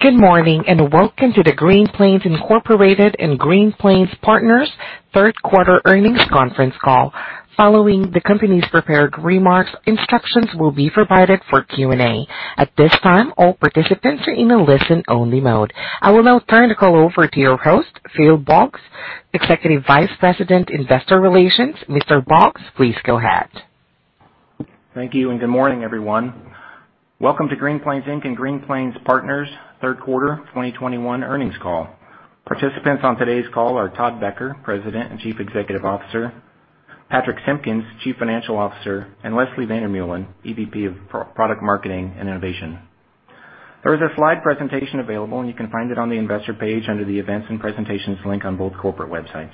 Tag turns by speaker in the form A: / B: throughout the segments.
A: Good morning, and welcome to the Green Plains Incorporated and Green Plains Partners third quarter earnings conference call. Following the company's prepared remarks, instructions will be provided for Q&A. At this time, all participants are in a listen-only mode. I will now turn the call over to your host, Phil Boggs, Executive Vice President, Investor Relations. Mr. Boggs, please go ahead.
B: Thank you, and good morning, everyone. Welcome to Green Plains Inc. and Green Plains Partners third quarter 2021 earnings call. Participants on today's call are Todd Becker, President and Chief Executive Officer; Patrich Simpkins, Chief Financial Officer; and Leslie van der Meulen, EVP of Product Marketing and Innovation. There is a slide presentation available, and you can find it on the investor page under the Events and Presentations link on both corporate websites.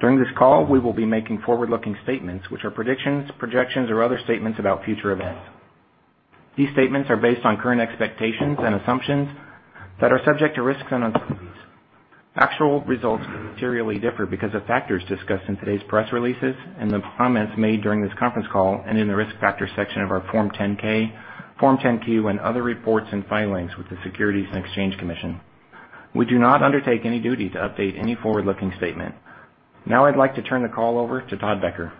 B: During this call, we will be making forward-looking statements, which are predictions, projections, or other statements about future events. These statements are based on current expectations and assumptions that are subject to risks and uncertainties. Actual results may materially differ because of factors discussed in today's press releases and the comments made during this conference call and in the Risk Factors section of our Form 10-K, Form 10-Q, and other reports and filings with the Securities and Exchange Commission. We do not undertake any duty to update any forward-looking statement. Now I'd like to turn the call over to Todd Becker.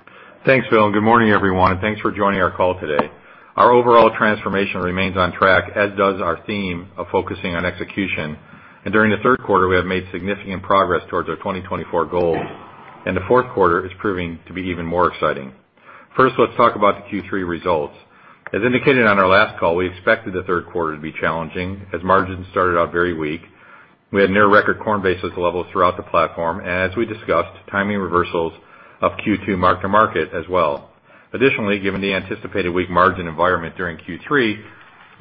C: Thanks, Phil, and good morning, everyone, and thanks for joining our call today. Our overall transformation remains on track, as does our theme of focusing on execution. During the third quarter, we have made significant progress towards our 2024 goals. The fourth quarter is proving to be even more exciting. First, let's talk about the Q3 results. As indicated on our last call, we expected the third quarter to be challenging as margins started out very weak. We had near record corn basis levels throughout the platform, and as we discussed, timing reversals of Q2 mark-to-market as well. Additionally, given the anticipated weak margin environment during Q3,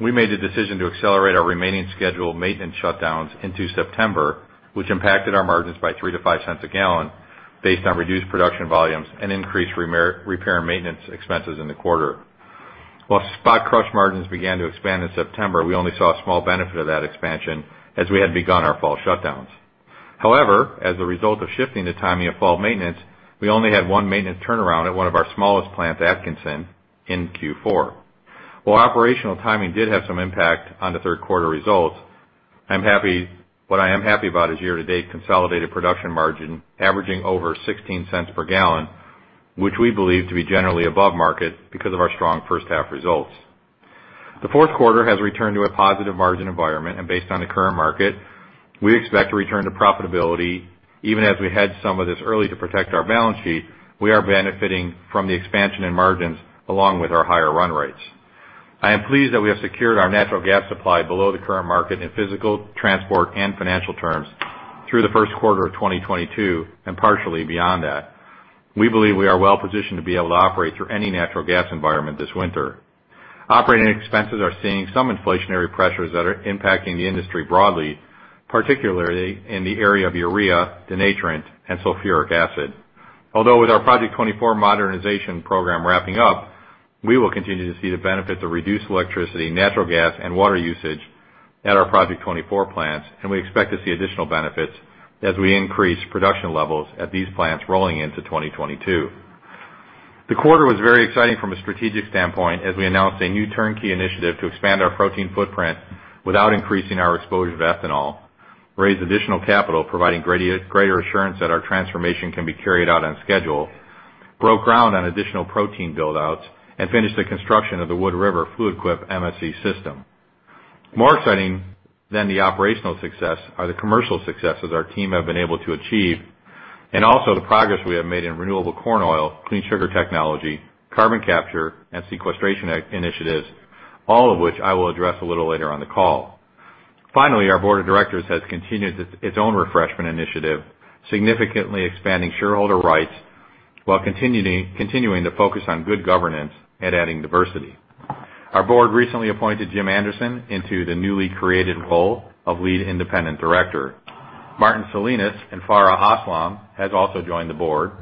C: we made the decision to accelerate our remaining scheduled maintenance shutdowns into September, which impacted our margins by $0.03-$0.05 a gal based on reduced production volumes and increased repair and maintenance expenses in the quarter. While spot crush margins began to expand in September, we only saw a small benefit of that expansion as we had begun our fall shutdowns. However, as a result of shifting the timing of fall maintenance, we only had one maintenance turnaround at one of our smallest plants, Atkinson, in Q4. While operational timing did have some impact on the third quarter results, what I am happy about is year-to-date consolidated production margin averaging over $0.16 per gal, which we believe to be generally above market because of our strong first half results. The fourth quarter has returned to a positive margin environment, and based on the current market, we expect to return to profitability. Even as we had some of this early to protect our balance sheet, we are benefiting from the expansion in margins along with our higher run rates. I am pleased that we have secured our natural gas supply below the current market in physical, transport, and financial terms through the first quarter of 2022 and partially beyond that. We believe we are well-positioned to be able to operate through any natural gas environment this winter. Operating expenses are seeing some inflationary pressures that are impacting the industry broadly, particularly in the area of urea, denaturant, and sulfuric acid. Although with our Project 24 modernization program wrapping up, we will continue to see the benefits of reduced electricity, natural gas, and water usage at our Project 24 plants, and we expect to see additional benefits as we increase production levels at these plants rolling into 2022. The quarter was very exciting from a strategic standpoint as we announced a new turnkey initiative to expand our protein footprint without increasing our exposure to ethanol, raise additional capital, providing greater assurance that our transformation can be carried out on schedule, broke ground on additional protein buildouts, and finished the construction of the Wood River Fluid Quip MSC system. More exciting than the operational success are the commercial successes our team have been able to achieve, and also the progress we have made in renewable corn oil, Clean Sugar Technology, carbon capture, and sequestration initiatives, all of which I will address a little later on the call. Finally, our board of directors has continued its own refreshment initiative, significantly expanding shareholder rights while continuing to focus on good governance and adding diversity. Our board recently appointed Jim Anderson into the newly created role of Lead Independent Director. Martin Salinas and Farha Aslam have also joined the board,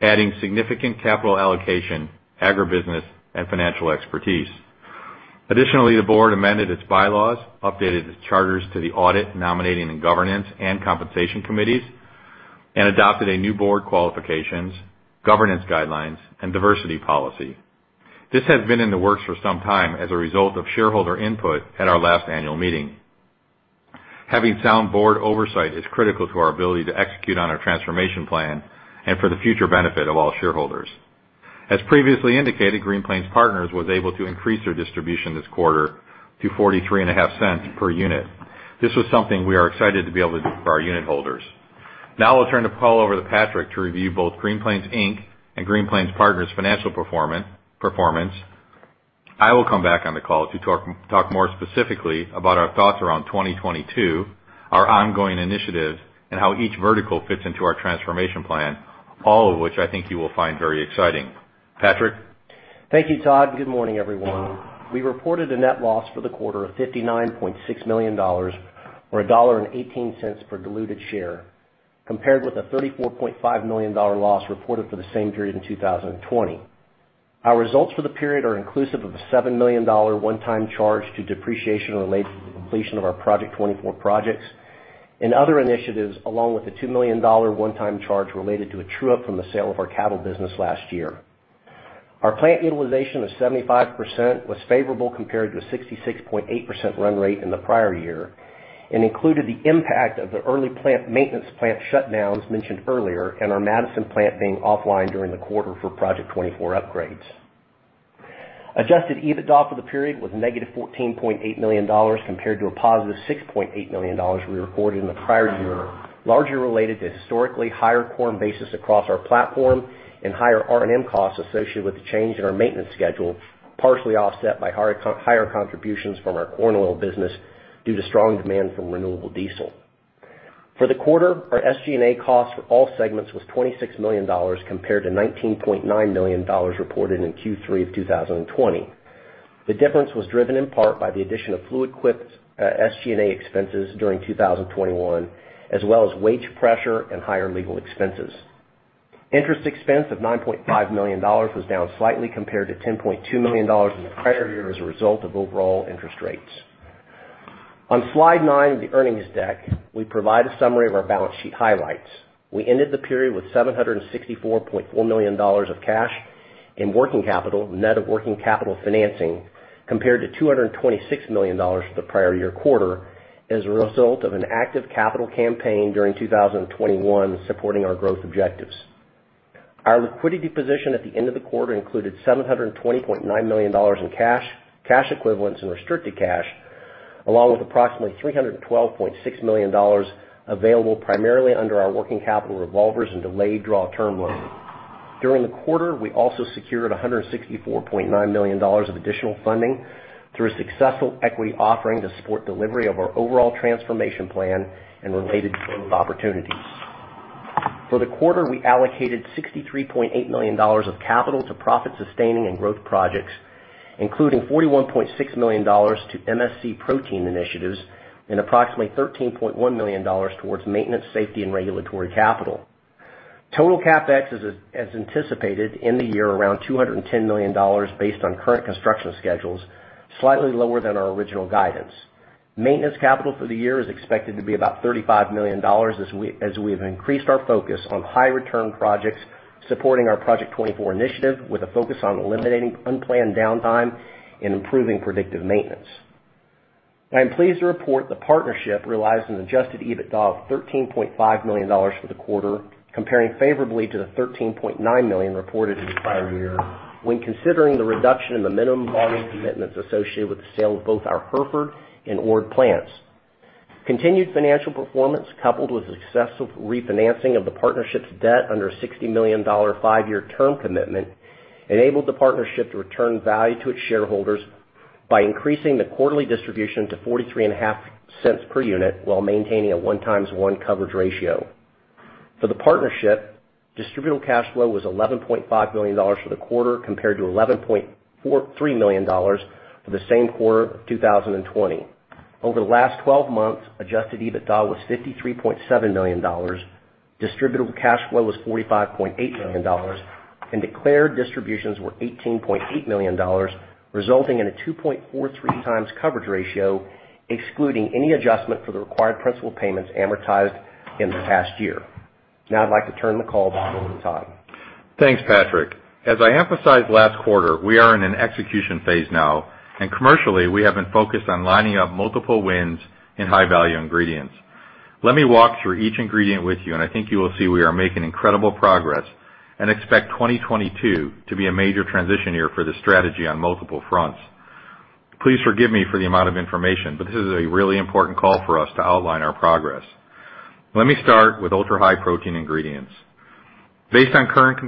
C: adding significant capital allocation, agribusiness, and financial expertise. Additionally, the board amended its bylaws, updated its charters to the audit, nominating and governance, and compensation committees, and adopted a new board qualifications, governance guidelines, and diversity policy. This has been in the works for some time as a result of shareholder input at our last annual meeting. Having sound board oversight is critical to our ability to execute on our transformation plan and for the future benefit of all shareholders. As previously indicated, Green Plains Partners was able to increase their distribution this quarter to $0.435 per unit. This was something we are excited to be able to do for our unit holders. Now I'll turn the call over to Patrich to review both Green Plains Inc. and Green Plains Partners' financial performance. I will come back on the call to talk more specifically about our thoughts around 2022, our ongoing initiatives, and how each vertical fits into our transformation plan, all of which I think you will find very exciting. Patrich?
D: Thank you, Todd. Good morning, everyone. We reported a net loss for the quarter of $59.6 million or $1.18 per diluted share, compared with a $34.5 million loss reported for the same period in 2020. Our results for the period are inclusive of a $7 million one-time charge to depreciation related to the completion of our Project 24 projects and other initiatives, along with the $2 million one-time charge related to a true-up from the sale of our cattle business last year. Our plant utilization of 75% was favorable compared to a 66.8% run rate in the prior year and included the impact of the early plant maintenance plant shutdowns mentioned earlier and our Madison plant being offline during the quarter for Project 24 upgrades. Adjusted EBITDA for the period was -$14.8 million compared to a positive $6.8 million we recorded in the prior year, largely related to historically higher corn basis across our platform and higher R&M costs associated with the change in our maintenance schedule, partially offset by higher contributions from our corn oil business due to strong demand from renewable diesel. For the quarter, our SG&A costs for all segments was $26 million compared to $19.9 million reported in Q3 of 2020. The difference was driven in part by the addition of Fluid Quip, SG&A expenses during 2021, as well as wage pressure and higher legal expenses. Interest expense of $9.5 million was down slightly compared to $10.2 million in the prior year as a result of overall interest rates. On slide nine of the earnings deck, we provide a summary of our balance sheet highlights. We ended the period with $764.4 million of cash and working capital, net of working capital financing, compared to $226 million for the prior year quarter as a result of an active capital campaign during 2021 supporting our growth objectives. Our liquidity position at the end of the quarter included $720.9 million in cash equivalents, and restricted cash, along with approximately $312.6 million available primarily under our working capital revolvers and delayed draw term loans. During the quarter, we also secured $164.9 million of additional funding through a successful equity offering to support delivery of our overall transformation plan and related growth opportunities. For the quarter, we allocated $63.8 million of capital to profit-sustaining and growth projects, including $41.6 million to MSC protein initiatives and approximately $13.1 million towards maintenance, safety, and regulatory capital. Total CapEx is as anticipated in the year around $210 million based on current construction schedules, slightly lower than our original guidance. Maintenance capital for the year is expected to be about $35 million as we have increased our focus on high return projects supporting our Project 24 initiative with a focus on eliminating unplanned downtime and improving predictive maintenance. I am pleased to report the partnership realized an adjusted EBITDA of $13.5 million for the quarter, comparing favorably to the $13.9 million reported in the prior year when considering the reduction in the minimum volume commitments associated with the sale of both our Hereford and Ord plants. Continued financial performance coupled with successful refinancing of the partnership's debt under a $60 million five-year term commitment enabled the partnership to return value to its shareholders by increasing the quarterly distribution to 43.5 cents per unit while maintaining a 1x coverage ratio. For the partnership, distributable cash flow was $11.5 million for the quarter compared to $11.43 million for the same quarter of 2020. Over the last 12 months, adjusted EBITDA was $53.7 million, distributable cash flow was $45.8 million, and declared distributions were $18.8 million, resulting in a 2.43 times coverage ratio, excluding any adjustment for the required principal payments amortized in the past year. Now I'd like to turn the call back over to Todd.
C: Thanks, Patrich. As I emphasized last quarter, we are in an execution phase now, and commercially, we have been focused on lining up multiple wins in high-value ingredients. Let me walk through each ingredient with you, and I think you will see we are making incredible progress and expect 2022 to be a major transition year for this strategy on multiple fronts. Please forgive me for the amount of information, but this is a really important call for us to outline our progress. Let me start with Ultra-High Protein ingredients. Based on current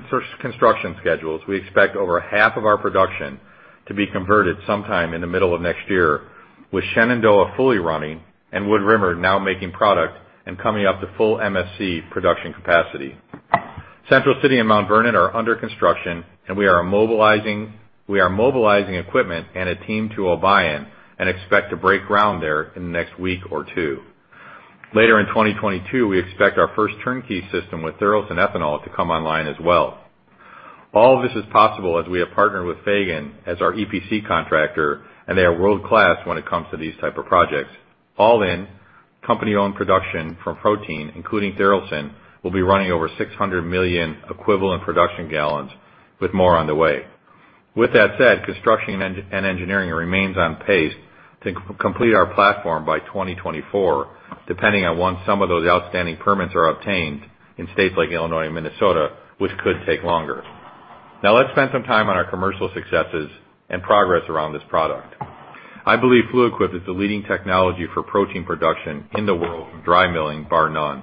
C: construction schedules, we expect over half of our production to be converted sometime in the middle of next year, with Shenandoah fully running and Wood River now making product and coming up to full MSC production capacity. Central City and Mount Vernon are under construction, and we are mobilizing equipment and a team to Obion and expect to break ground there in the next week or two. Later in 2022, we expect our first turnkey system with Tharaldson Ethanol to come online as well. All of this is possible as we have partnered with Fagen as our EPC contractor, and they are world-class when it comes to these type of projects. All in, company-owned production from protein, including Tharaldson, will be running over 600 million equivalent production gal with more on the way. With that said, construction and engineering remains on pace to complete our platform by 2024, depending on when some of those outstanding permits are obtained in states like Illinois and Minnesota, which could take longer. Now let's spend some time on our commercial successes and progress around this product. I believe Fluid Quip is the leading technology for protein production in the world of dry milling, bar none.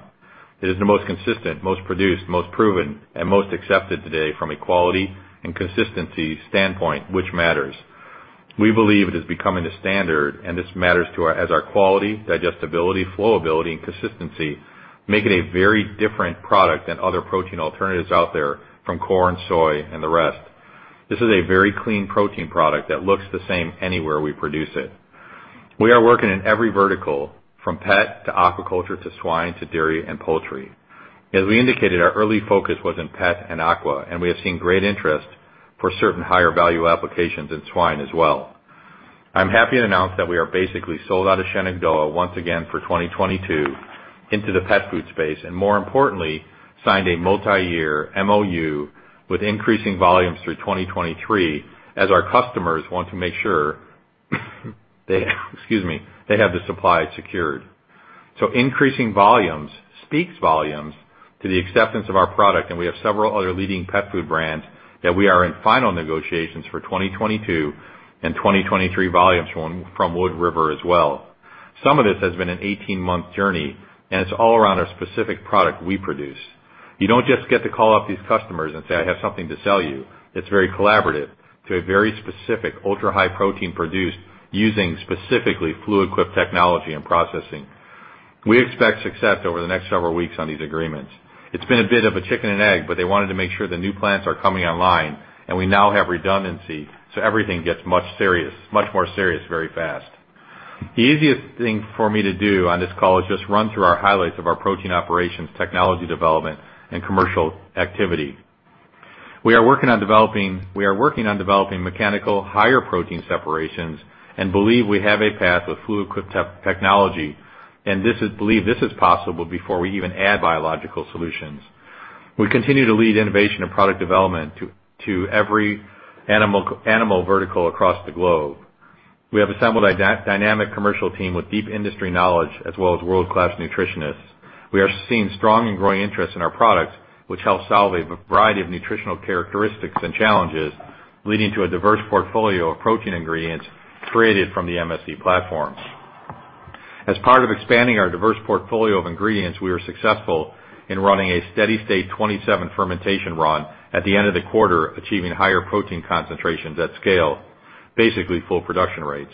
C: It is the most consistent, most produced, most proven, and most accepted today from a quality and consistency standpoint, which matters. We believe it is becoming the standard, and this matters as our quality, digestibility, flowability, and consistency make it a very different product than other protein alternatives out there from corn, soy, and the rest. This is a very clean protein product that looks the same anywhere we produce it. We are working in every vertical, from pet to aquaculture to swine to dairy and poultry. As we indicated, our early focus was in pet and aqua, and we have seen great interest for certain higher value applications in swine as well. I'm happy to announce that we are basically sold out of Shenandoah once again for 2022 into the pet food space, and more importantly, signed a multi-year MOU with increasing volumes through 2023 as our customers want to make sure they, excuse me, they have the supply secured. Increasing volumes speaks volumes to the acceptance of our product, and we have several other leading pet food brands that we are in final negotiations for 2022 and 2023 volumes from Wood River as well. Some of this has been an 18-month journey, and it's all around a specific product we produce. You don't just get to call up these customers and say, "I have something to sell you." It's very collaborative to a very specific Ultra-High Protein produced using specifically Fluid Quip technology and processing. We expect success over the next several weeks on these agreements. It's been a bit of a chicken and egg, but they wanted to make sure the new plants are coming online, and we now have redundancy, so everything gets much more serious very fast. The easiest thing for me to do on this call is just run through our highlights of our protein operations, technology development, and commercial activity. We are working on developing mechanical higher protein separations and believe we have a path with Fluid Quip technology, and believe this is possible before we even add biological solutions. We continue to lead innovation and product development to every animal vertical across the globe. We have assembled a dynamic commercial team with deep industry knowledge as well as world-class nutritionists. We are seeing strong and growing interest in our products, which help solve a variety of nutritional characteristics and challenges, leading to a diverse portfolio of protein ingredients created from the MSC platforms. As part of expanding our diverse portfolio of ingredients, we were successful in running a steady-state 27 fermentation run at the end of the quarter, achieving higher protein concentrations at scale, basically full production rates.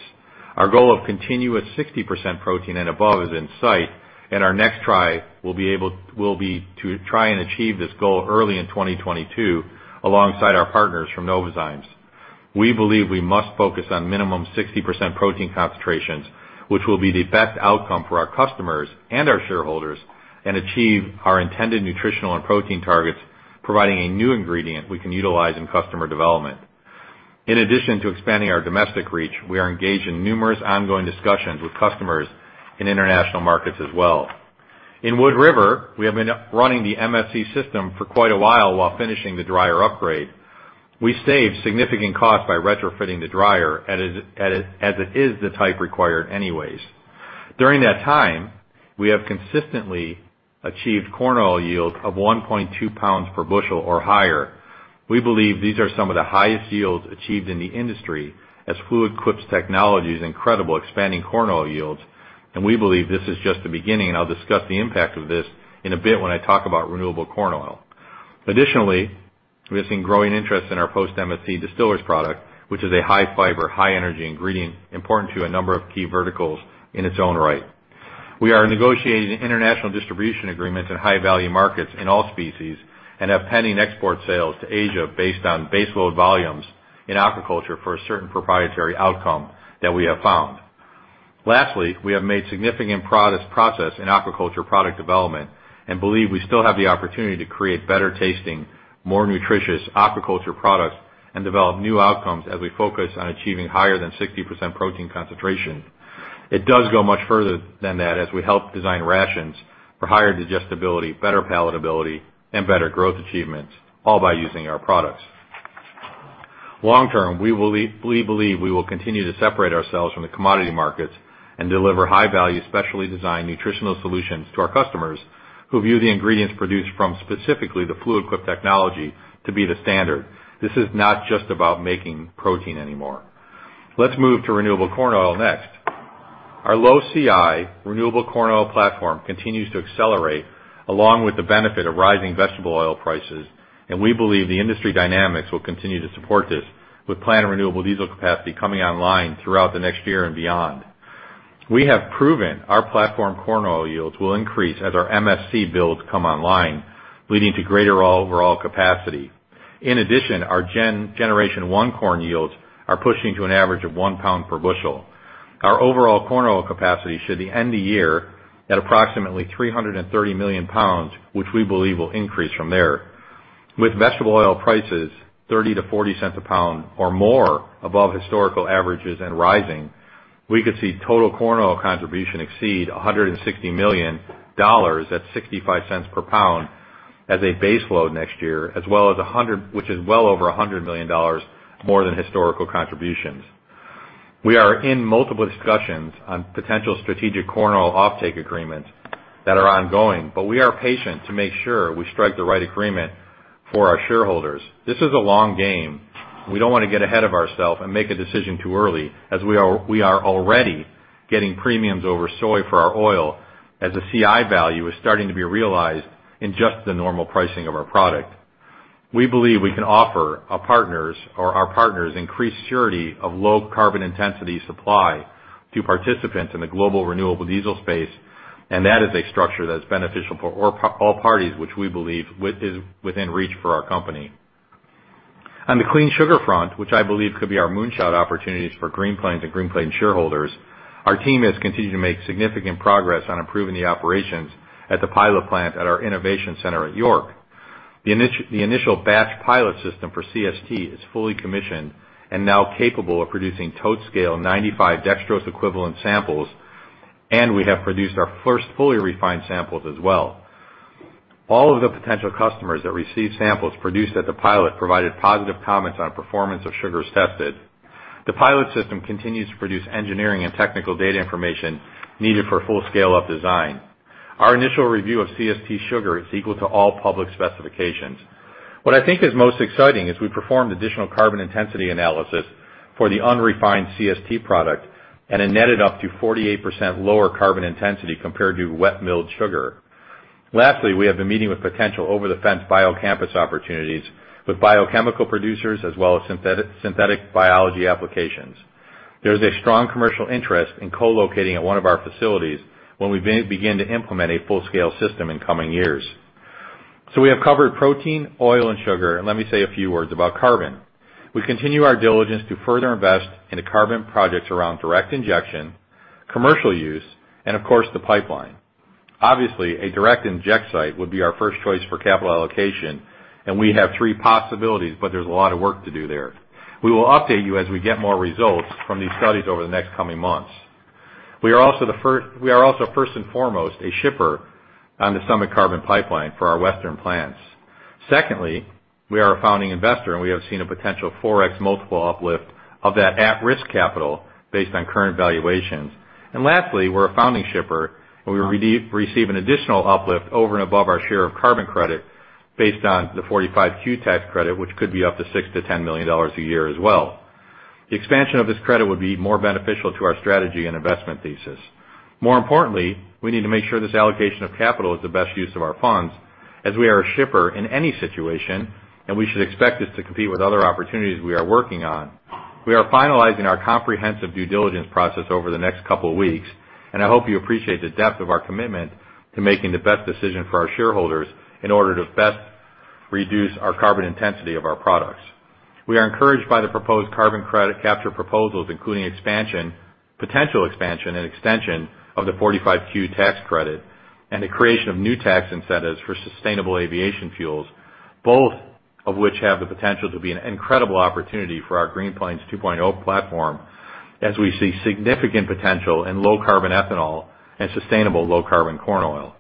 C: Our goal of continuous 60% protein and above is in sight, and our next try will be to try and achieve this goal early in 2022 alongside our partners from Novozymes. We believe we must focus on minimum 60% protein concentrations, which will be the best outcome for our customers and our shareholders, and achieve our intended nutritional and protein targets, providing a new ingredient we can utilize in customer development. In addition to expanding our domestic reach, we are engaged in numerous ongoing discussions with customers in international markets as well. In Wood River, we have been running the MSC system for quite a while while finishing the dryer upgrade. We saved significant cost by retrofitting the dryer, as it is the type required anyways. During that time, we have consistently achieved corn oil yield of 1.2 pounds per bushel or higher. We believe these are some of the highest yields achieved in the industry as Fluid Quip's technology is incredible, expanding corn oil yields. We believe this is just the beginning, and I'll discuss the impact of this in a bit when I talk about renewable corn oil. Additionally, we have seen growing interest in our post-MSC distillers product, which is a high-fiber, high-energy ingredient important to a number of key verticals in its own right. We are negotiating international distribution agreements in high-value markets in all species and have pending export sales to Asia based on base load volumes in aquaculture for a certain proprietary outcome that we have found. Lastly, we have made significant progress in aquaculture product development and believe we still have the opportunity to create better-tasting, more nutritious aquaculture products and develop new outcomes as we focus on achieving higher than 60% protein concentration. It does go much further than that as we help design rations for higher digestibility, better palatability, and better growth achievements, all by using our products. Long term, we believe we will continue to separate ourselves from the commodity markets and deliver high-value, specially designed nutritional solutions to our customers who view the ingredients produced from specifically the Fluid Quip technology to be the standard. This is not just about making protein anymore. Let's move to renewable corn oil next. Our low CI renewable corn oil platform continues to accelerate along with the benefit of rising vegetable oil prices, and we believe the industry dynamics will continue to support this with planned renewable diesel capacity coming online throughout the next year and beyond. We have proven our platform corn oil yields will increase as our MSC builds come online, leading to greater overall capacity. In addition, our generation one corn yields are pushing to an average of one pound per bushel. Our overall corn oil capacity should end the year at approximately 330 million pounds, which we believe will increase from there. With vegetable oil prices $0.30-$0.40 a pound or more above historical averages and rising, we could see total corn oil contribution exceed $160 million at $0.65 per pound as a base load next year, as well as $100, which is well over $100 million more than historical contributions. We are in multiple discussions on potential strategic corn oil offtake agreements that are ongoing, but we are patient to make sure we strike the right agreement for our shareholders. This is a long game. We don't want to get ahead of ourselves and make a decision too early, as we are already getting premiums over soy for our oil as the CI value is starting to be realized in just the normal pricing of our product. We believe we can offer our partners increased surety of low carbon intensity supply to participants in the global renewable diesel space, and that is a structure that is beneficial for all parties, which we believe is within reach for our company. On the Clean Sugar front, which I believe could be our moonshot opportunities for Green Plains and Green Plains shareholders, our team has continued to make significant progress on improving the operations at the pilot plant at our innovation center at York. The initial batch pilot system for CST is fully commissioned and now capable of producing tote scale 95 dextrose equivalent samples, and we have produced our first fully refined samples as well. All of the potential customers that receive samples produced at the pilot provided positive comments on performance of sugars tested. The pilot system continues to produce engineering and technical data information needed for full scale of design. Our initial review of CST sugar is equal to all public specifications. What I think is most exciting is we performed additional carbon intensity analysis for the unrefined CST product and it netted up to 48% lower carbon intensity compared to wet milled sugar. Lastly, we have been meeting with potential over the fence biocampus opportunities with biochemical producers as well as synthetic biology applications. There is a strong commercial interest in co-locating at one of our facilities when we begin to implement a full-scale system in coming years. We have covered protein, oil and sugar, and let me say a few words about carbon. We continue our diligence to further invest in the carbon projects around direct injection, commercial use, and of course, the pipeline. Obviously, a direct inject site would be our first choice for capital allocation, and we have three possibilities, but there's a lot of work to do there. We will update you as we get more results from these studies over the next coming months. We are also first and foremost a shipper on the Summit Carbon Solutions for our Western plants. Secondly, we are a founding investor, and we have seen a potential 4x multiple uplift of that at-risk capital based on current valuations. Lastly, we're a founding shipper, and we receive an additional uplift over and above our share of carbon credit based on the 45Q tax credit, which could be up to $6 million-$10 million a year as well. The expansion of this credit would be more beneficial to our strategy and investment thesis. More importantly, we need to make sure this allocation of capital is the best use of our funds as we are a shipper in any situation, and we should expect this to compete with other opportunities we are working on. We are finalizing our comprehensive due diligence process over the next couple of weeks, and I hope you appreciate the depth of our commitment to making the best decision for our shareholders in order to best reduce our carbon intensity of our products. We are encouraged by the proposed carbon credit capture proposals, including potential expansion and extension of the 45Q tax credit and the creation of new tax incentives for sustainable aviation fuels, both of which have the potential to be an incredible opportunity for our Green Plains 2.0 platform, as we see significant potential in low carbon ethanol and sustainable low carbon corn oil.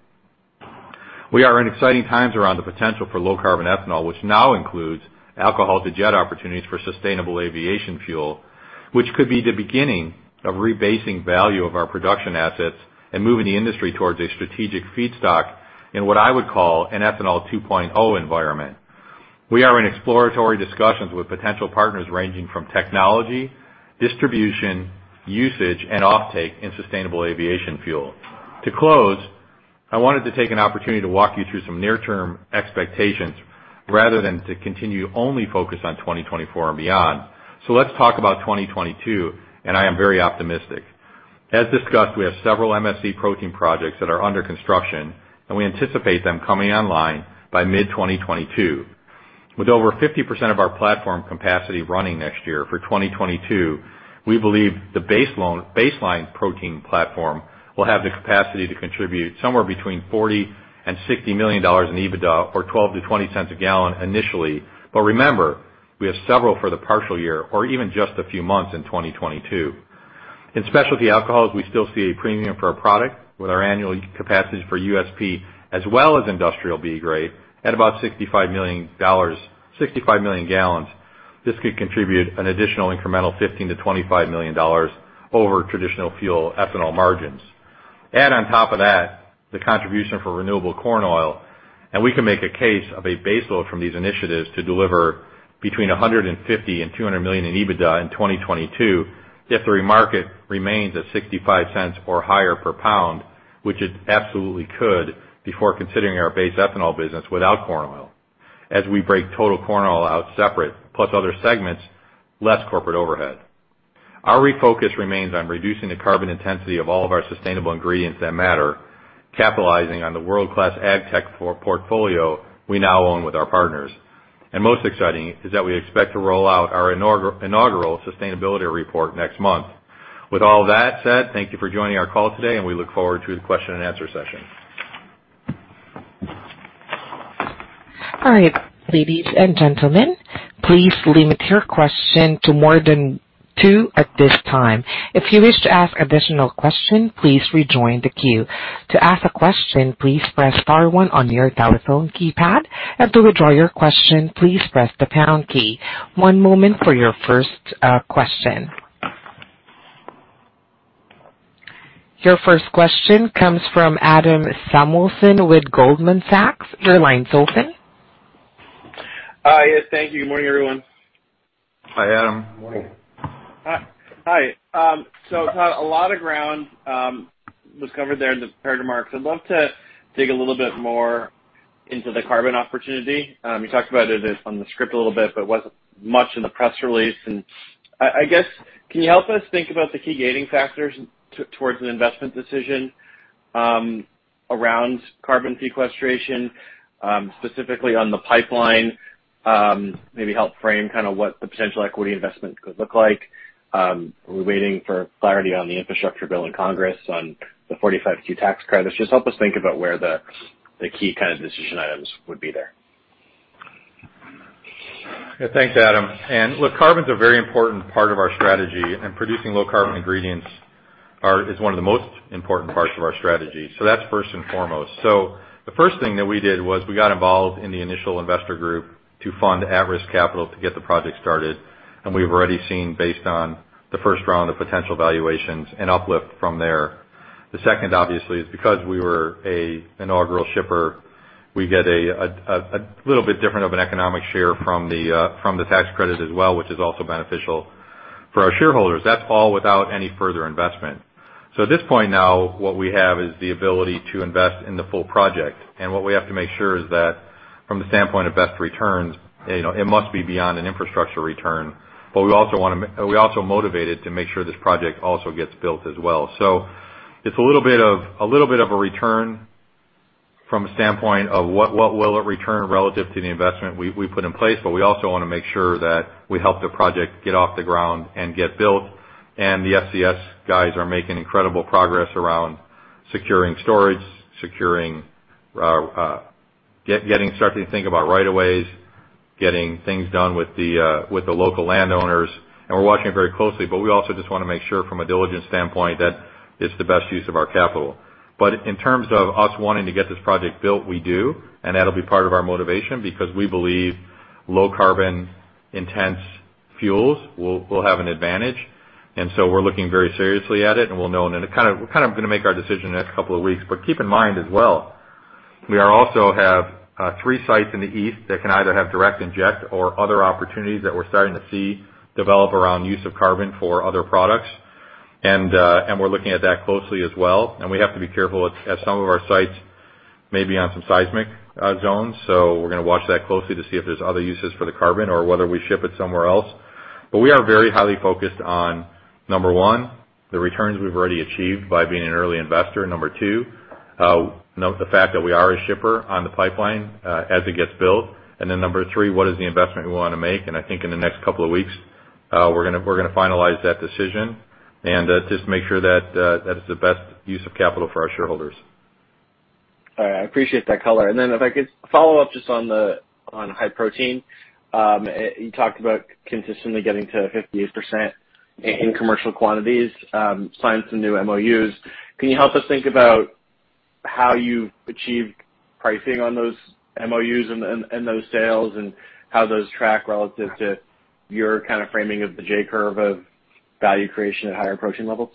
C: We are in exciting times around the potential for low carbon ethanol, which now includes alcohol to jet opportunities for sustainable aviation fuel, which could be the beginning of rebasing value of our production assets and moving the industry towards a strategic feedstock in what I would call an ethanol 2.0 environment. We are in exploratory discussions with potential partners ranging from technology, distribution, usage and offtake in sustainable aviation fuel. To close, I wanted to take an opportunity to walk you through some near-term expectations rather than to continue only focus on 2024 and beyond. Let's talk about 2022, and I am very optimistic. As discussed, we have several MSC protein projects that are under construction, and we anticipate them coming online by mid-2022. With over 50% of our platform capacity running next year for 2022, we believe the baseline protein platform will have the capacity to contribute somewhere between $40 million-$60 million in EBITDA or $0.12-$0.20/gal initially. Remember, we have several for the partial year or even just a few months in 2022. In specialty alcohols, we still see a premium for our product with our annual capacity for USP as well as industrial B grade at about 65 million gal. This could contribute an additional incremental $15 million-$25 million over traditional fuel ethanol margins. Add on top of that the contribution for renewable corn oil, and we can make a case of a base load from these initiatives to deliver between $150 million and $200 million in EBITDA in 2022 if the market remains at $0.65 or higher per pound, which it absolutely could before considering our base ethanol business without corn oil. As we break total corn oil out separate plus other segments, less corporate overhead. Our refocus remains on reducing the carbon intensity of all of our sustainable ingredients that matter, capitalizing on the world-class ag tech portfolio we now own with our partners. Most exciting is that we expect to roll out our inaugural sustainability report next month. With all that said, thank you for joining our call today, and we look forward to the question and answer session.
A: All right. Ladies and gentlemen, please limit your questions to no more than two at this time. If you wish to ask additional questions, please rejoin the queue. To ask a question, please press star one on your telephone keypad. To withdraw your question, please press the pound key. One moment for your first question. Your first question comes from Adam Samuelson with Goldman Sachs. Your line's open.
E: Hi. Yes, thank you. Good morning, everyone.
C: Hi, Adam.
E: Hi. Todd, a lot of ground was covered there in the prepared remarks. I'd love to dig a little bit more into the carbon opportunity. You talked about it as in the script a little bit, but it wasn't much in the press release. I guess, can you help us think about the key gating factors towards an investment decision around carbon sequestration specifically on the pipeline? Maybe help frame kind of what the potential equity investment could look like. We're waiting for clarity on the infrastructure bill in Congress on the 45Q tax credits. Just help us think about where the key kind of decision items would be there.
C: Yeah. Thanks, Adam. Look, carbon's a very important part of our strategy, and producing low carbon ingredients is one of the most important parts of our strategy. That's first and foremost. The first thing that we did was we got involved in the initial investor group to fund at-risk capital to get the project started. We've already seen based on the first round of potential valuations an uplift from there. The second, obviously, is because we were an inaugural shipper, we get a little bit different of an economic share from the tax credit as well, which is also beneficial for our shareholders. That's all without any further investment. At this point now, what we have is the ability to invest in the full project. What we have to make sure is that from the standpoint of best returns, you know, it must be beyond an infrastructure return. We're also motivated to make sure this project also gets built as well. It's a little bit of a return from a standpoint of what will it return relative to the investment we put in place. We also want to make sure that we help the project get off the ground and get built. The SCS guys are making incredible progress around securing storage, starting to think about rights-of-way, getting things done with the local landowners, and we're watching it very closely. We also just want to make sure from a diligence standpoint that it's the best use of our capital. In terms of us wanting to get this project built, we do, and that'll be part of our motivation because we believe low carbon intensity fuels will have an advantage. We're looking very seriously at it, and we'll know. We're kind of gonna make our decision in the next couple of weeks. Keep in mind as well, we also have three sites in the east that can either have direct injection or other opportunities that we're starting to see develop around use of carbon for other products, and we're looking at that closely as well. We have to be careful at some of our sites may be on some seismic zones, so we're gonna watch that closely to see if there's other uses for the carbon or whether we ship it somewhere else. We are very highly focused on, number one, the returns we've already achieved by being an early investor. Number two, note the fact that we are a shipper on the pipeline, as it gets built. Number three, what is the investment we wanna make? I think in the next couple of weeks, we're gonna finalize that decision and just make sure that is the best use of capital for our shareholders.
E: All right. I appreciate that color. If I could follow up just on high protein. You talked about consistently getting to 58% in commercial quantities, signed some new MOUs. Can you help us think about how you've achieved pricing on those MOUs and those sales, and how those track relative to your kind of framing of the J curve of value creation at higher protein levels?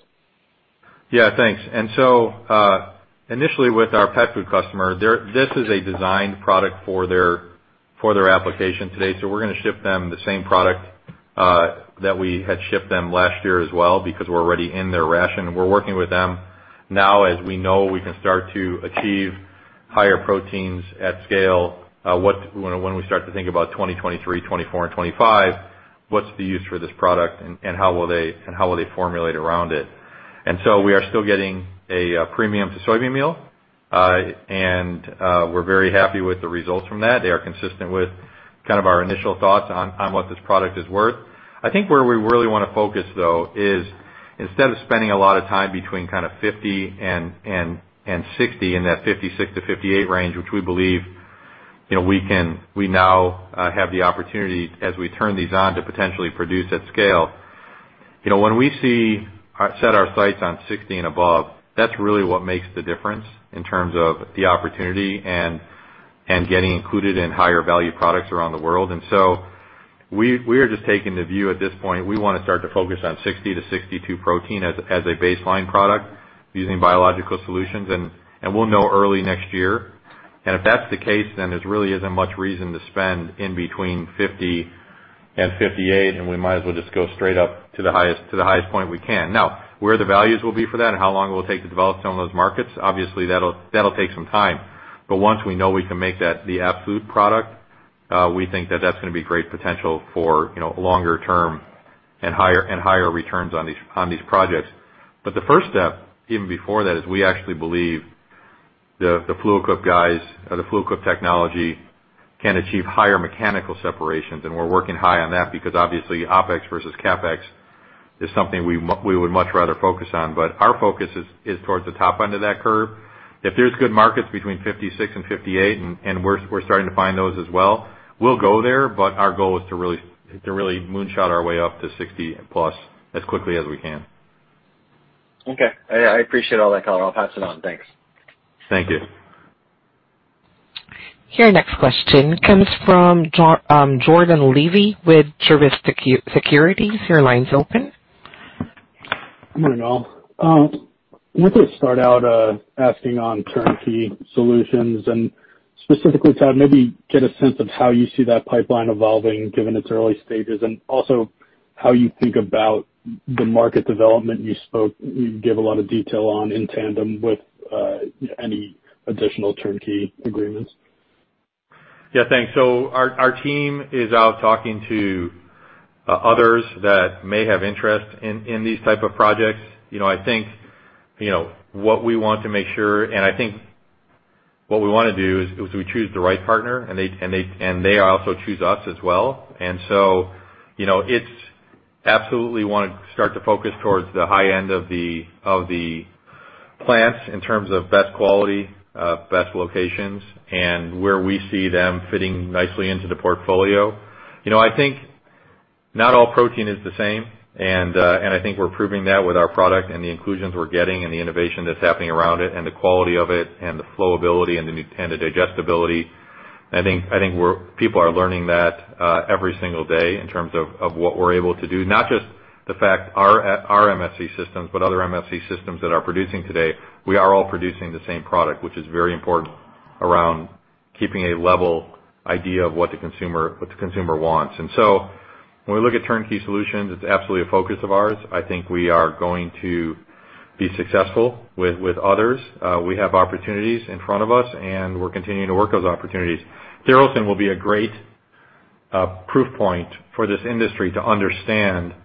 C: Yeah, thanks. Initially with our pet food customer, this is a designed product for their application today, so we're gonna ship them the same product that we had shipped them last year as well because we're already in their ration. We're working with them now as we know we can start to achieve higher proteins at scale. When we start to think about 2023, 2024 and 2025, what's the use for this product and how will they formulate around it? We are still getting a premium for soybean meal. We're very happy with the results from that. They are consistent with kind of our initial thoughts on what this product is worth. I think where we really wanna focus though is instead of spending a lot of time between kind of 50 and 60 in that 56%-58% range, which we believe, you know, we now have the opportunity as we turn these on to potentially produce at scale. You know, when we set our sights on 60% and above, that's really what makes the difference in terms of the opportunity and getting included in higher value products around the world. We're just taking the view at this point, we wanna start to focus on 60%-62% protein as a baseline product using biological solutions, and we'll know early next year. If that's the case, then there's really no much reason to spend in between 50 and 58, and we might as well just go straight up to the highest, to the highest point we can. Now, where the values will be for that and how long it will take to develop some of those markets, obviously that'll take some time. Once we know we can make that the absolute product, we think that that's gonna be great potential for, you know, longer term and higher, and higher returns on these projects. The first step, even before that, is we actually believe the Fluid Quip guys or the Fluid Quip technology can achieve higher mechanical separations. We're working high on that because obviously OpEx versus CapEx is something we would much rather focus on. Our focus is towards the top end of that curve. If there's good markets between 56 and 58, and we're starting to find those as well, we'll go there, but our goal is to really moonshot our way up to 60+ as quickly as we can.
E: Okay. I appreciate all that color. I'll pass it on. Thanks.
C: Thank you.
A: Your next question comes from Jordan Levy with Truist Securities. Your line's open.
F: Good morning, all. Wanted to start out asking on turnkey solutions and specifically, Todd, maybe get a sense of how you see that pipeline evolving given its early stages, and also how you think about the market development you spoke, you gave a lot of detail on in tandem with any additional turnkey agreements.
C: Yeah, thanks. Our team is out talking to others that may have interest in these type of projects. You know, I think, you know, what we want to make sure and I think what we wanna do is we choose the right partner, and they also choose us as well. You know, we absolutely wanna start to focus towards the high end of the plants in terms of best quality, best locations, and where we see them fitting nicely into the portfolio. You know, I think not all protein is the same, and I think we're proving that with our product and the inclusions we're getting and the innovation that's happening around it, and the quality of it, and the flowability and the digestibility. I think people are learning that every single day in terms of what we're able to do. Not just the fact our MSC systems, but other MSC systems that are producing today, we are all producing the same product, which is very important around keeping a level idea of what the consumer wants. When we look at turnkey solutions, it's absolutely a focus of ours. I think we are going to be successful with others. We have opportunities in front of us, and we're continuing to work those opportunities. Tharaldson will be a great proof point for this industry to understand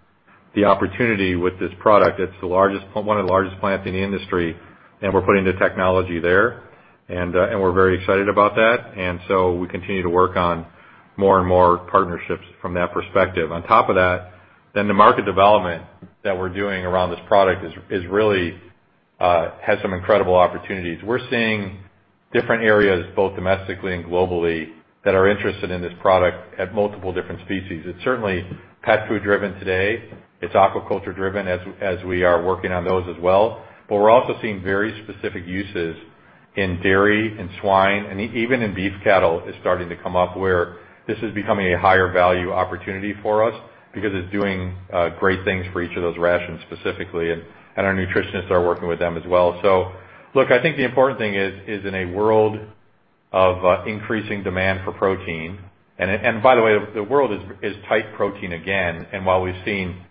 C: the opportunity with this product. It's one of the largest plants in the industry, and we're putting the technology there. We're very excited about that. We continue to work on more and more partnerships from that perspective. On top of that, the market development that we're doing around this product is really has some incredible opportunities. We're seeing different areas, both domestically and globally, that are interested in this product at multiple different species. It's certainly pet food driven today. It's aquaculture driven as we are working on those as well. But we're also seeing very specific uses in dairy and swine, and even in beef cattle is starting to come up where this is becoming a higher value opportunity for us because it's doing great things for each of those rations specifically, and our nutritionists are working with them as well. Look, I think the important thing is in a world of increasing demand for protein, and by the way, the world is tight on protein again. While we've seen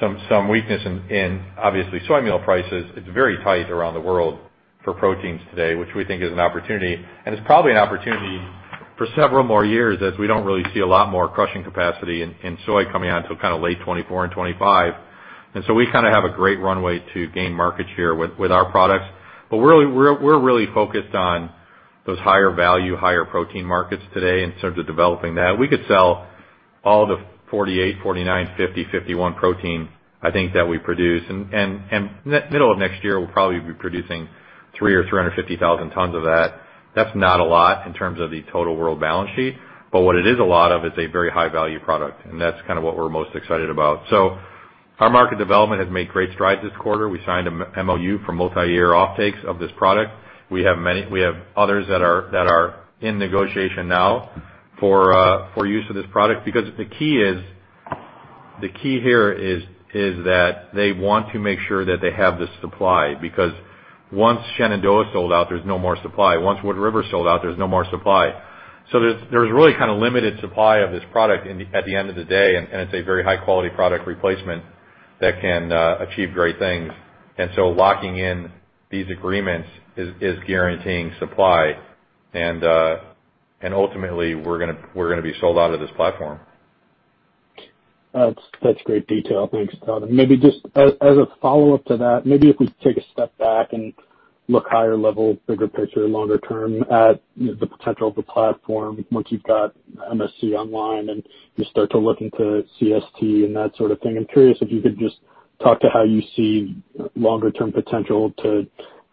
C: some weakness in obviously soy meal prices, it's very tight around the world for proteins today, which we think is an opportunity. It's probably an opportunity for several more years as we don't really see a lot more crushing capacity in soy coming out until kind of late 2024 and 2025. We kinda have a great runway to gain market share with our products. Really we're really focused on those higher value, higher protein markets today in terms of developing that. We could sell all the 48, 49, 50, 51 protein, I think, that we produce. In the middle of next year, we'll probably be producing 350,000 tons of that. That's not a lot in terms of the total world balance sheet, but what it is a lot of is a very high value product, and that's kinda what we're most excited about. Our market development has made great strides this quarter. We signed a MOU for multiyear offtakes of this product. We have many—we have others that are in negotiation now for use of this product because the key here is that they want to make sure that they have the supply because once Shenandoah sold out, there's no more supply. Once Wood River sold out, there's no more supply. There's really kind of limited supply of this product at the end of the day, and it's a very high-quality product replacement that can achieve great things. Locking in these agreements is guaranteeing supply. Ultimately we're gonna be sold out of this platform.
F: That's great detail. Thanks, Todd. Maybe just as a follow-up to that, maybe if we take a step back and look higher level, bigger picture, longer term at the potential of the platform once you've got MSC online and you start to look into CST and that sort of thing. I'm curious if you could just talk to how you see longer term potential to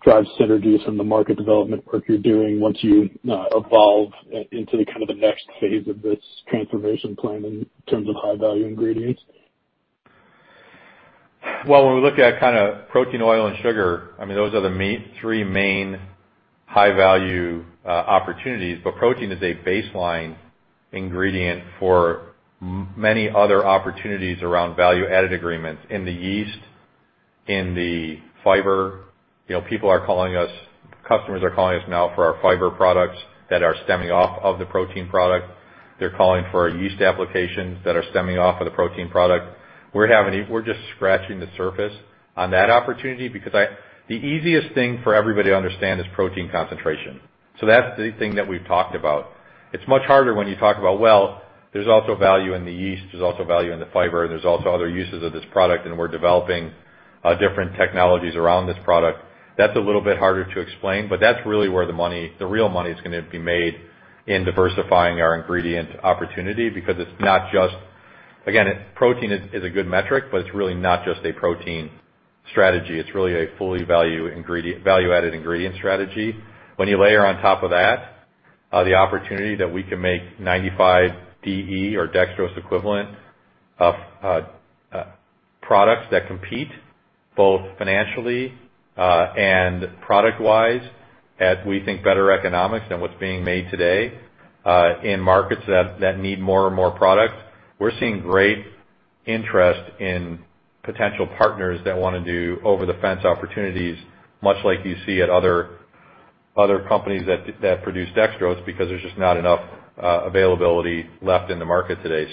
F: drive synergies from the market development work you're doing once you evolve into the kind of the next phase of this transformation plan in terms of high value ingredients.
C: Well, when we look at kinda protein, oil, and sugar, I mean, those are the three main high value opportunities. Protein is a baseline ingredient for many other opportunities around value-added agreements in the yeast, in the fiber. You know, people are calling us, customers are calling us now for our fiber products that are stemming off of the protein product. They're calling for yeast applications that are stemming off of the protein product. We're just scratching the surface on that opportunity because the easiest thing for everybody to understand is protein concentration. That's the thing that we've talked about. It's much harder when you talk about, well, there's also value in the yeast, there's also value in the fiber, there's also other uses of this product, and we're developing different technologies around this product. That's a little bit harder to explain, but that's really where the money, the real money is gonna be made in diversifying our ingredient opportunity because it's not just again, protein is a good metric, but it's really not just a protein strategy. It's really a fully value-added ingredient strategy. When you layer on top of that, the opportunity that we can make 95 DE or dextrose equivalent of products that compete both financially and product wise at, we think, better economics than what's being made today in markets that need more and more product. We're seeing great interest in potential partners that wanna do over the fence opportunities, much like you see at other companies that produce dextrose because there's just not enough availability left in the market today.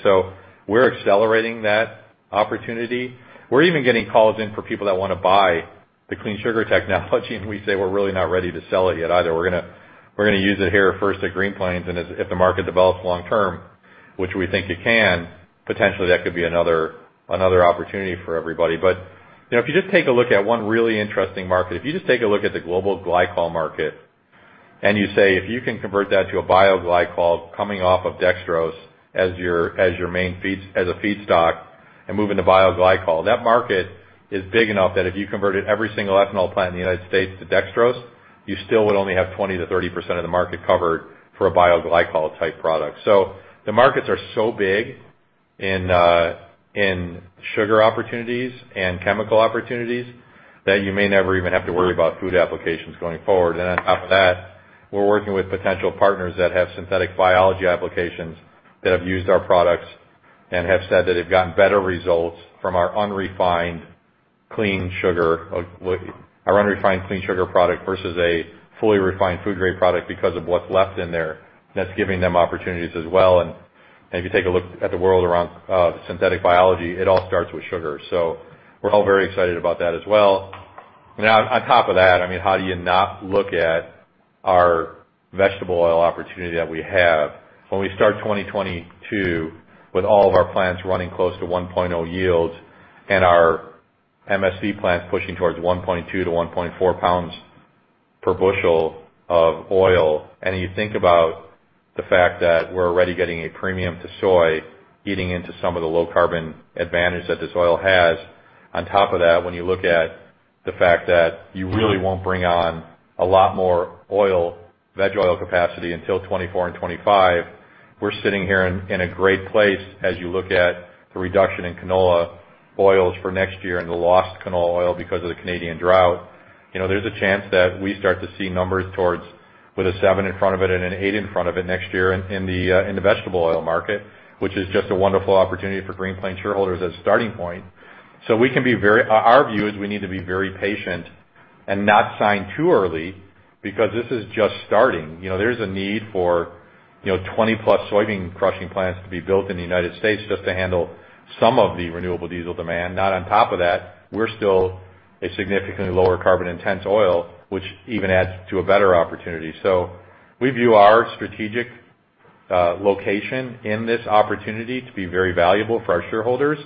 C: We're accelerating that opportunity. We're even getting calls in for people that wanna buy the Clean Sugar Technology, and we say we're really not ready to sell it yet either. We're gonna use it here first at Green Plains, and if the market develops long term, which we think it can, potentially that could be another opportunity for everybody. You know, if you just take a look at one really interesting market, if you just take a look at the global glycol market, and you say, if you can convert that to a bioglycol coming off of dextrose as your main feedstock and move into bioglycol, that market is big enough that if you converted every single ethanol plant in the United States to dextrose, you still would only have 20%-30% of the market covered for a bioglycol type product. The markets are so big in sugar opportunities and chemical opportunities that you may never even have to worry about food applications going forward. On top of that, we're working with potential partners that have synthetic biology applications that have used our products and have said that they've gotten better results from our unrefined Clean Sugar, like our unrefined Clean Sugar product versus a fully refined food-grade product because of what's left in there. That's giving them opportunities as well. If you take a look at the world around synthetic biology, it all starts with sugar. We're all very excited about that as well. Now, on top of that, I mean, how do you not look at our vegetable oil opportunity that we have when we start 2022 with all of our plants running close to 1.0 yields and our MSC plants pushing towards 1.2-1.4 pounds per bushel of oil. You think about the fact that we're already getting a premium to soy eating into some of the low carbon advantage that this oil has. On top of that, when you look at the fact that you really won't bring on a lot more oil, veg oil capacity until 2024 and 2025, we're sitting here in a great place as you look at the reduction in canola oils for next year and the lost canola oil because of the Canadian drought. You know, there's a chance that we start to see numbers towards with a seven in front of it and an eight in front of it next year in the vegetable oil market, which is just a wonderful opportunity for Green Plains shareholders as a starting point. Our view is we need to be very patient and not sign too early because this is just starting. You know, there's a need for 20+ soybean crushing plants to be built in the United States just to handle some of the renewable diesel demand. Now, on top of that, we're still a significantly lower carbon-intensive oil, which even adds to a better opportunity. We view our strategic location in this opportunity to be very valuable for our shareholders,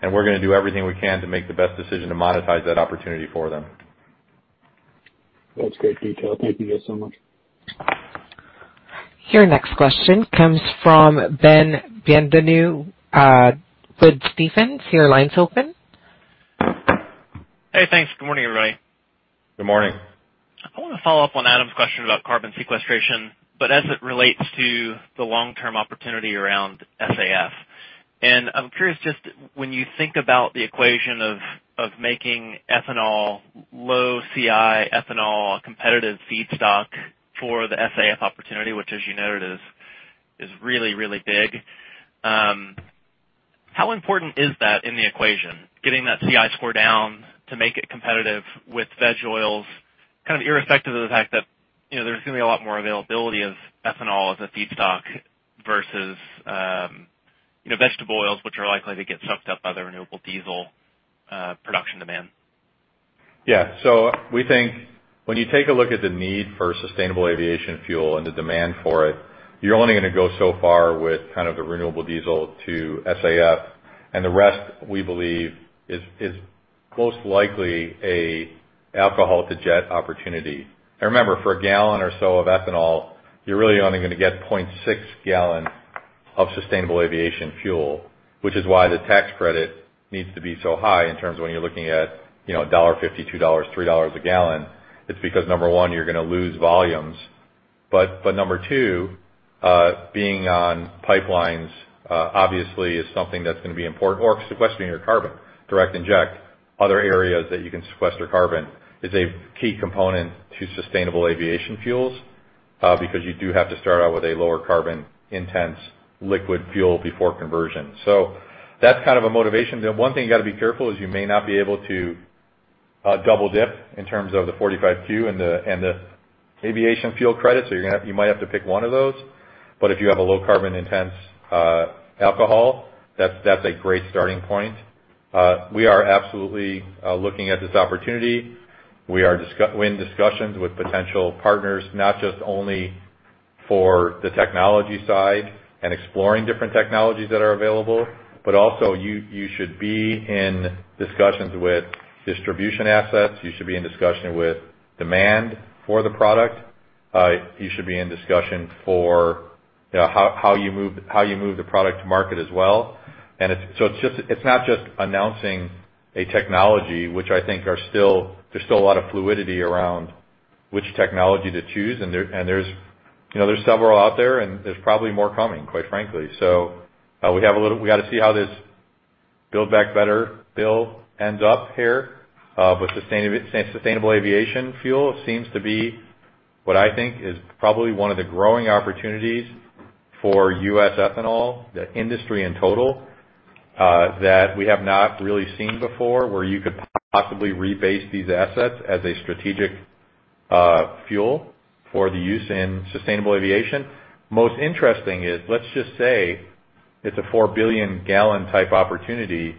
C: and we're gonna do everything we can to make the best decision to monetize that opportunity for them.
F: That's great detail. Thank you guys so much.
A: Your next question comes from Ben Bienvenu with Stephens. Your line's open.
G: Hey, thanks. Good morning, everybody.
C: Good morning.
G: I wanna follow up on Adam's question about carbon sequestration, but as it relates to the long-term opportunity around SAF. I'm curious just when you think about the equation of making ethanol low CI ethanol a competitive feedstock for the SAF opportunity, which as you noted, is really, really big, how important is that in the equation, getting that CI score down to make it competitive with veg oils, kind of irrespective of the fact that, you know, there's gonna be a lot more availability of ethanol as a feedstock versus, you know, vegetable oils, which are likely to get sucked up by the renewable diesel production demand?
C: Yeah. We think when you take a look at the need for sustainable aviation fuel and the demand for it, you're only gonna go so far with kind of the renewable diesel to SAF. The rest, we believe, is most likely an alcohol to jet opportunity. Remember, for a gal or so of ethanol, you're really only gonna get 0.6 gal of sustainable aviation fuel, which is why the tax credit needs to be so high in terms of when you're looking at, you know, $1.50, $2, $3 a gal. It's because, number one, you're gonna lose volumes. Number 2, being on pipelines obviously is something that's gonna be important or sequestering your carbon, direct injection, other areas that you can sequester carbon is a key component to sustainable aviation fuels, because you do have to start out with a lower carbon-intensity liquid fuel before conversion. That's kind of a motivation. The one thing you gotta be careful is you may not be able to double-dip in terms of the 45Q and the aviation fuel credit, so you might have to pick one of those. If you have a low carbon-intensity alcohol, that's a great starting point. We are absolutely looking at this opportunity. We're in discussions with potential partners, not just only for the technology side and exploring different technologies that are available, but also you should be in discussions with distribution assets. You should be in discussion with demand for the product. You should be in discussion for, you know, how you move the product to market as well. It's not just announcing a technology. There's still a lot of fluidity around which technology to choose. There's several out there, and there's probably more coming, quite frankly. We gotta see how this Build Back Better Bill ends up here. Sustainable aviation fuel seems to be what I think is probably one of the growing opportunities for U.S. ethanol, the industry in total, that we have not really seen before, where you could possibly rebase these assets as a strategic fuel for the use in sustainable aviation. Most interesting is, let's just say it's a 4 billion-gal type opportunity.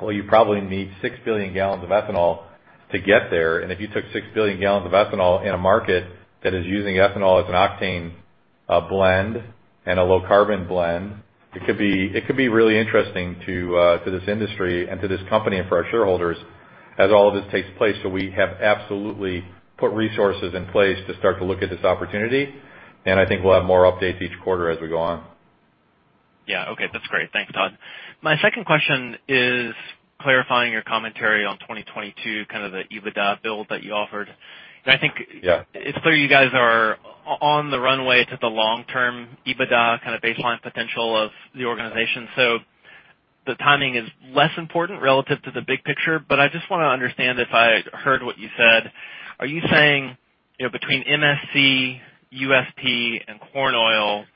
C: Well, you probably need 6 billion gal of ethanol to get there. If you took 6 billion gal of ethanol in a market that is using ethanol as an octane blend and a low carbon blend, it could be really interesting to this industry and to this company and for our shareholders as all of this takes place. We have absolutely put resources in place to start to look at this opportunity, and I think we'll have more updates each quarter as we go on.
G: Yeah. Okay. That's great. Thanks, Todd. My second question is clarifying your commentary on 2022, kind of the EBITDA build that you offered. I think-
C: Yeah.
G: It's clear you guys are on the runway to the long-term EBITDA kind of baseline potential of the organization. The timing is less important relative to the big picture. I just wanna understand if I heard what you said. Are you saying, you know, between MSC, USP, and corn oil,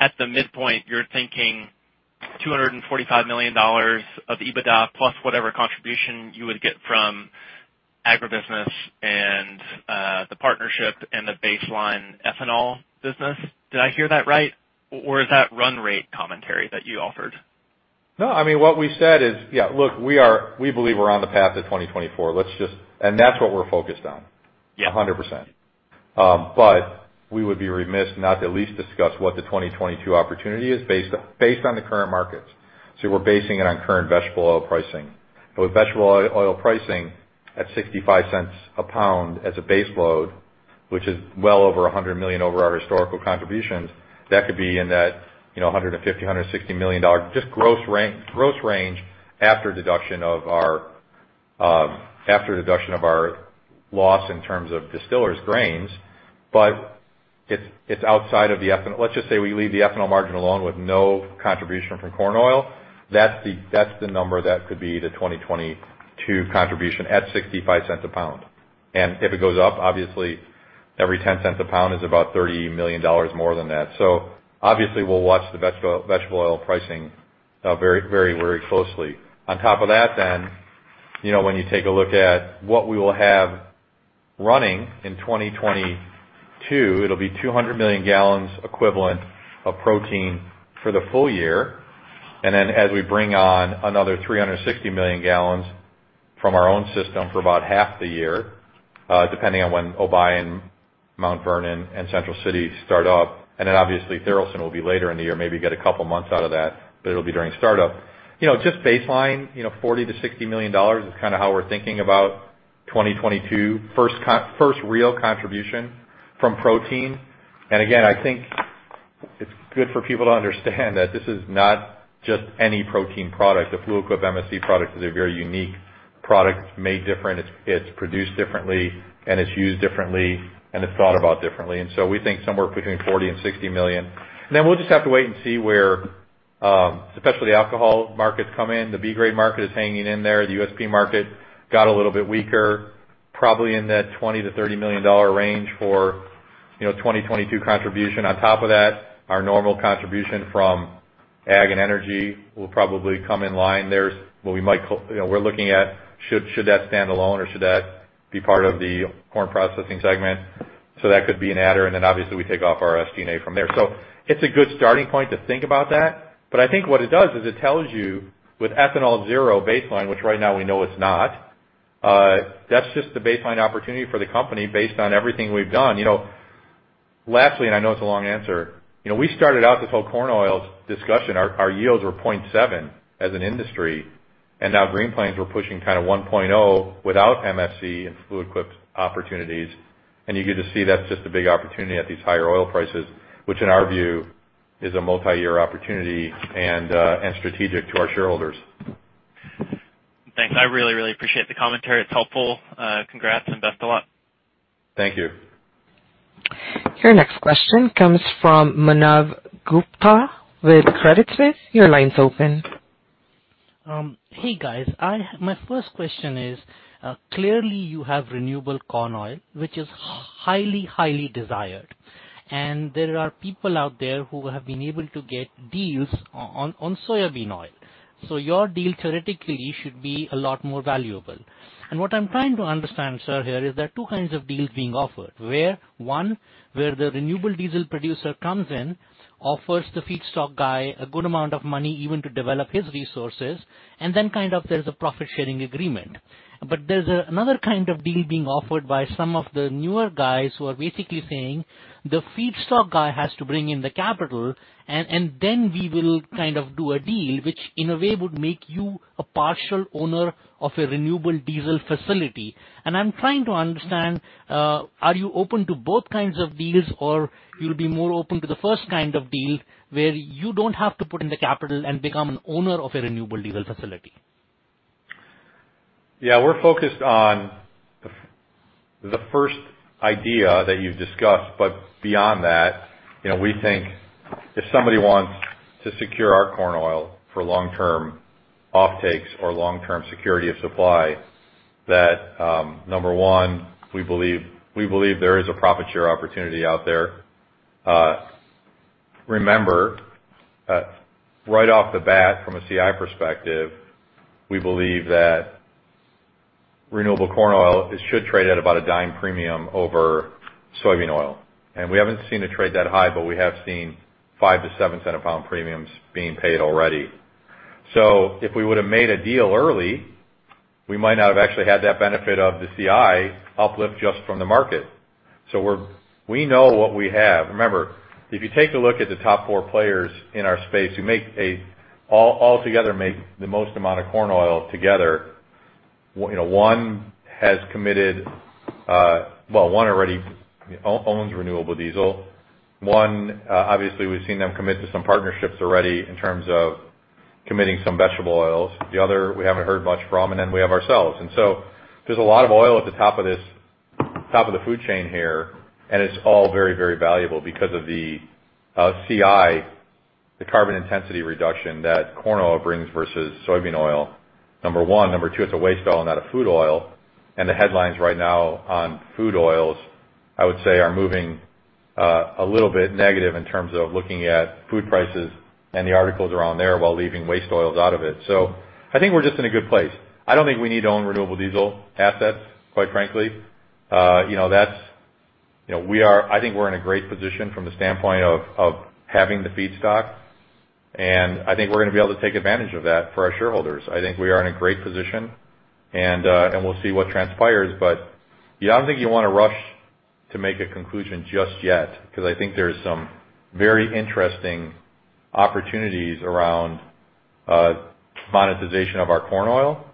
G: at the midpoint, you're thinking $245 million of EBITDA plus whatever contribution you would get from agribusiness and the partnership and the baseline ethanol business? Did I hear that right? Or is that run rate commentary that you offered?
C: No. I mean, yeah, look, we believe we're on the path to 2024. Let's just. That's what we're focused on.
G: Yeah.
C: 100%. We would be remiss not to at least discuss what the 2022 opportunity is based on the current markets. We're basing it on current vegetable oil pricing. With vegetable oil pricing at $0.65 a pound as a base load, which is well over $100 million over our historical contributions, that could be in that $150-$160 million just gross run rate range after deduction of our loss in terms of distillers grains. It's outside of the ethanol. Let's just say we leave the ethanol margin alone with no contribution from corn oil. That's the number that could be the 2022 contribution at $0.65 a pound. If it goes up, obviously, every 10 cents a pound is about $30 million more than that. We'll watch the vegetable oil pricing very closely. On top of that then, you know, when you take a look at what we will have running in 2022, it'll be 200 million gal equivalent of protein for the full year. Then as we bring on another 360 million gal from our own system for about half the year, depending on when Obion, Mount Vernon, and Central City start up, and then obviously, Tharaldson will be later in the year, maybe get a couple months out of that, but it'll be during startup. You know, just baseline, you know, $40 million-$60 million is kinda how we're thinking about 2022 first real contribution from protein. Again, I think it's good for people to understand that this is not just any protein product. The Fluid Quip MSC product is a very unique product. It's made different, it's produced differently, and it's used differently, and it's thought about differently. We think somewhere between $40 million and $60 million. We'll just have to wait and see where, especially the alcohol markets come in. The B grade market is hanging in there. The USP market got a little bit weaker, probably in that $20-$30 million range for, you know, 2022 contribution. On top of that, our normal contribution from ag and energy will probably come in line there. What we might call. You know, we're looking at should that stand alone or should that be part of the corn processing segment. That could be an adder, and then obviously we take off our SG&A from there. It's a good starting point to think about that. I think what it does is it tells you with ethanol zero baseline, which right now we know it's not, that's just the baseline opportunity for the company based on everything we've done. You know, lastly, and I know it's a long answer, you know, we started out this whole corn oil discussion. Our yields were 0.7 as an industry, and now Green Plains, we're pushing kinda 1.0 without MSC and Fluid Quip's opportunities. You get to see that's just a big opportunity at these higher oil prices, which in our view is a multiyear opportunity and strategic to our shareholders.
G: Thanks. I really, really appreciate the commentary. It's helpful. Congrats, and best of luck.
C: Thank you.
A: Your next question comes from Manav Gupta with Credit Suisse. Your line's open.
H: Hey, guys. My first question is, clearly you have renewable corn oil, which is highly desired, and there are people out there who have been able to get deals on soybean oil. Your deal theoretically should be a lot more valuable. What I'm trying to understand, sir, here is there are two kinds of deals being offered, where one, the renewable diesel producer comes in, offers the feedstock guy a good amount of money even to develop his resources, and then kind of there's a profit-sharing agreement. There's another kind of deal being offered by some of the newer guys who are basically saying, "The feedstock guy has to bring in the capital and then we will kind of do a deal," which in a way would make you a partial owner of a renewable diesel facility. I'm trying to understand, are you open to both kinds of deals, or you'll be more open to the first kind of deal where you don't have to put in the capital and become an owner of a renewable diesel facility?
C: Yeah. We're focused on the first idea that you've discussed. Beyond that, you know, we think if somebody wants to secure our corn oil for long-term offtakes or long-term security of supply, that, number one, we believe there is a profit share opportunity out there. Remember, right off the bat, from a CI perspective, we believe that renewable corn oil should trade at about a 10-cent premium over soybean oil. We haven't seen it trade that high, but we have seen 5- to 7-cent-a-pound premiums being paid already. If we would've made a deal early, we might not have actually had that benefit of the CI uplift just from the market. We know what we have. Remember, if you take a look at the top four players in our space who make all together the most amount of corn oil together, you know, one has committed. Well, one already owns renewable diesel. One, obviously we've seen them commit to some partnerships already in terms of committing some vegetable oils. The other, we haven't heard much from, and then we have ourselves. There's a lot of oil at the top of this, top of the food chain here, and it's all very, very valuable because of the CI, the carbon intensity reduction that corn oil brings versus soybean oil, number one. Number two, it's a waste oil, not a food oil. The headlines right now on food oils, I would say, are moving a little bit negative in terms of looking at food prices and the articles around there while leaving waste oils out of it. So I think we're just in a good place. I don't think we need to own renewable diesel assets, quite frankly. You know, I think we're in a great position from the standpoint of having the feedstock, and I think we're gonna be able to take advantage of that for our shareholders. I think we are in a great position, and we'll see what transpires. Yeah, I don't think you wanna rush to make a conclusion just yet, 'cause I think there's some very interesting opportunities around monetization of our corn oil,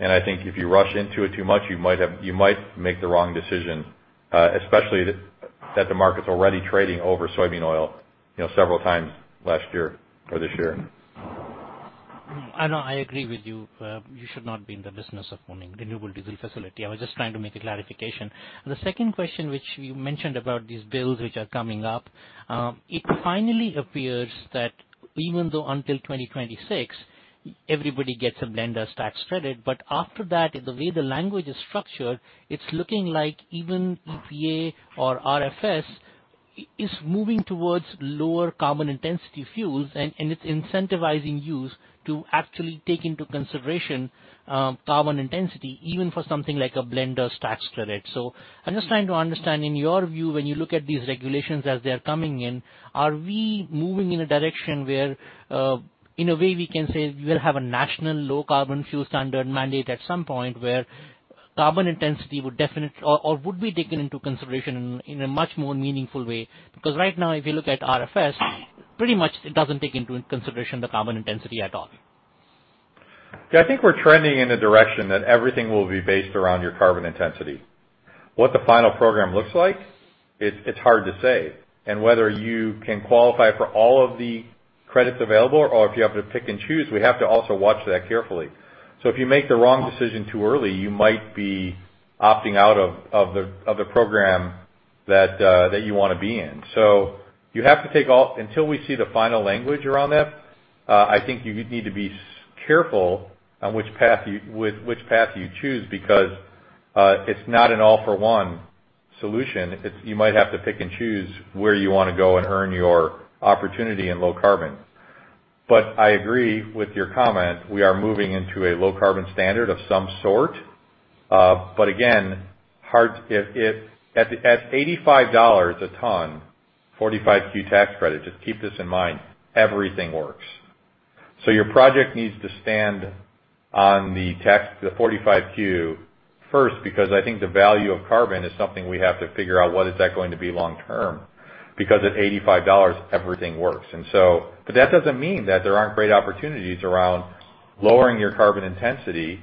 C: and I think if you rush into it too much, you might make the wrong decision, especially that the market's already trading over soybean oil, you know, several times last year or this year.
H: I know. I agree with you. You should not be in the business of owning renewable diesel facility. I was just trying to make a clarification. The second question, which you mentioned about these bills which are coming up, it finally appears that even though until 2026 everybody gets a blender's tax credit, but after that, the way the language is structured, it's looking like even EPA or RFS is moving towards lower carbon intensity fuels and it's incentivizing use to actually take into consideration carbon intensity even for something like a blender's tax credit. I'm just trying to understand, in your view, when you look at these regulations as they're coming in, are we moving in a direction where, in a way we can say we'll have a national low carbon fuel standard mandate at some point where carbon intensity would be taken into consideration in a much more meaningful way? Because right now if you look at RFS, pretty much it doesn't take into consideration the carbon intensity at all.
C: Yeah. I think we're trending in a direction that everything will be based around your carbon intensity. What the final program looks like, it's hard to say. Whether you can qualify for all of the credits available or if you have to pick and choose, we have to also watch that carefully. If you make the wrong decision too early, you might be opting out of the program that you wanna be in. Until we see the final language around that, I think you need to be careful on which path you choose because it's not an all for one solution. It's you might have to pick and choose where you wanna go and earn your opportunity in low carbon. I agree with your comment. We are moving into a low carbon standard of some sort. At $85 a ton, 45Q tax credit, just keep this in mind, everything works. Your project needs to stand on the tax, the 45Q first, because I think the value of carbon is something we have to figure out what is that going to be long term? Because at $85, everything works. That doesn't mean that there aren't great opportunities around lowering your carbon intensity,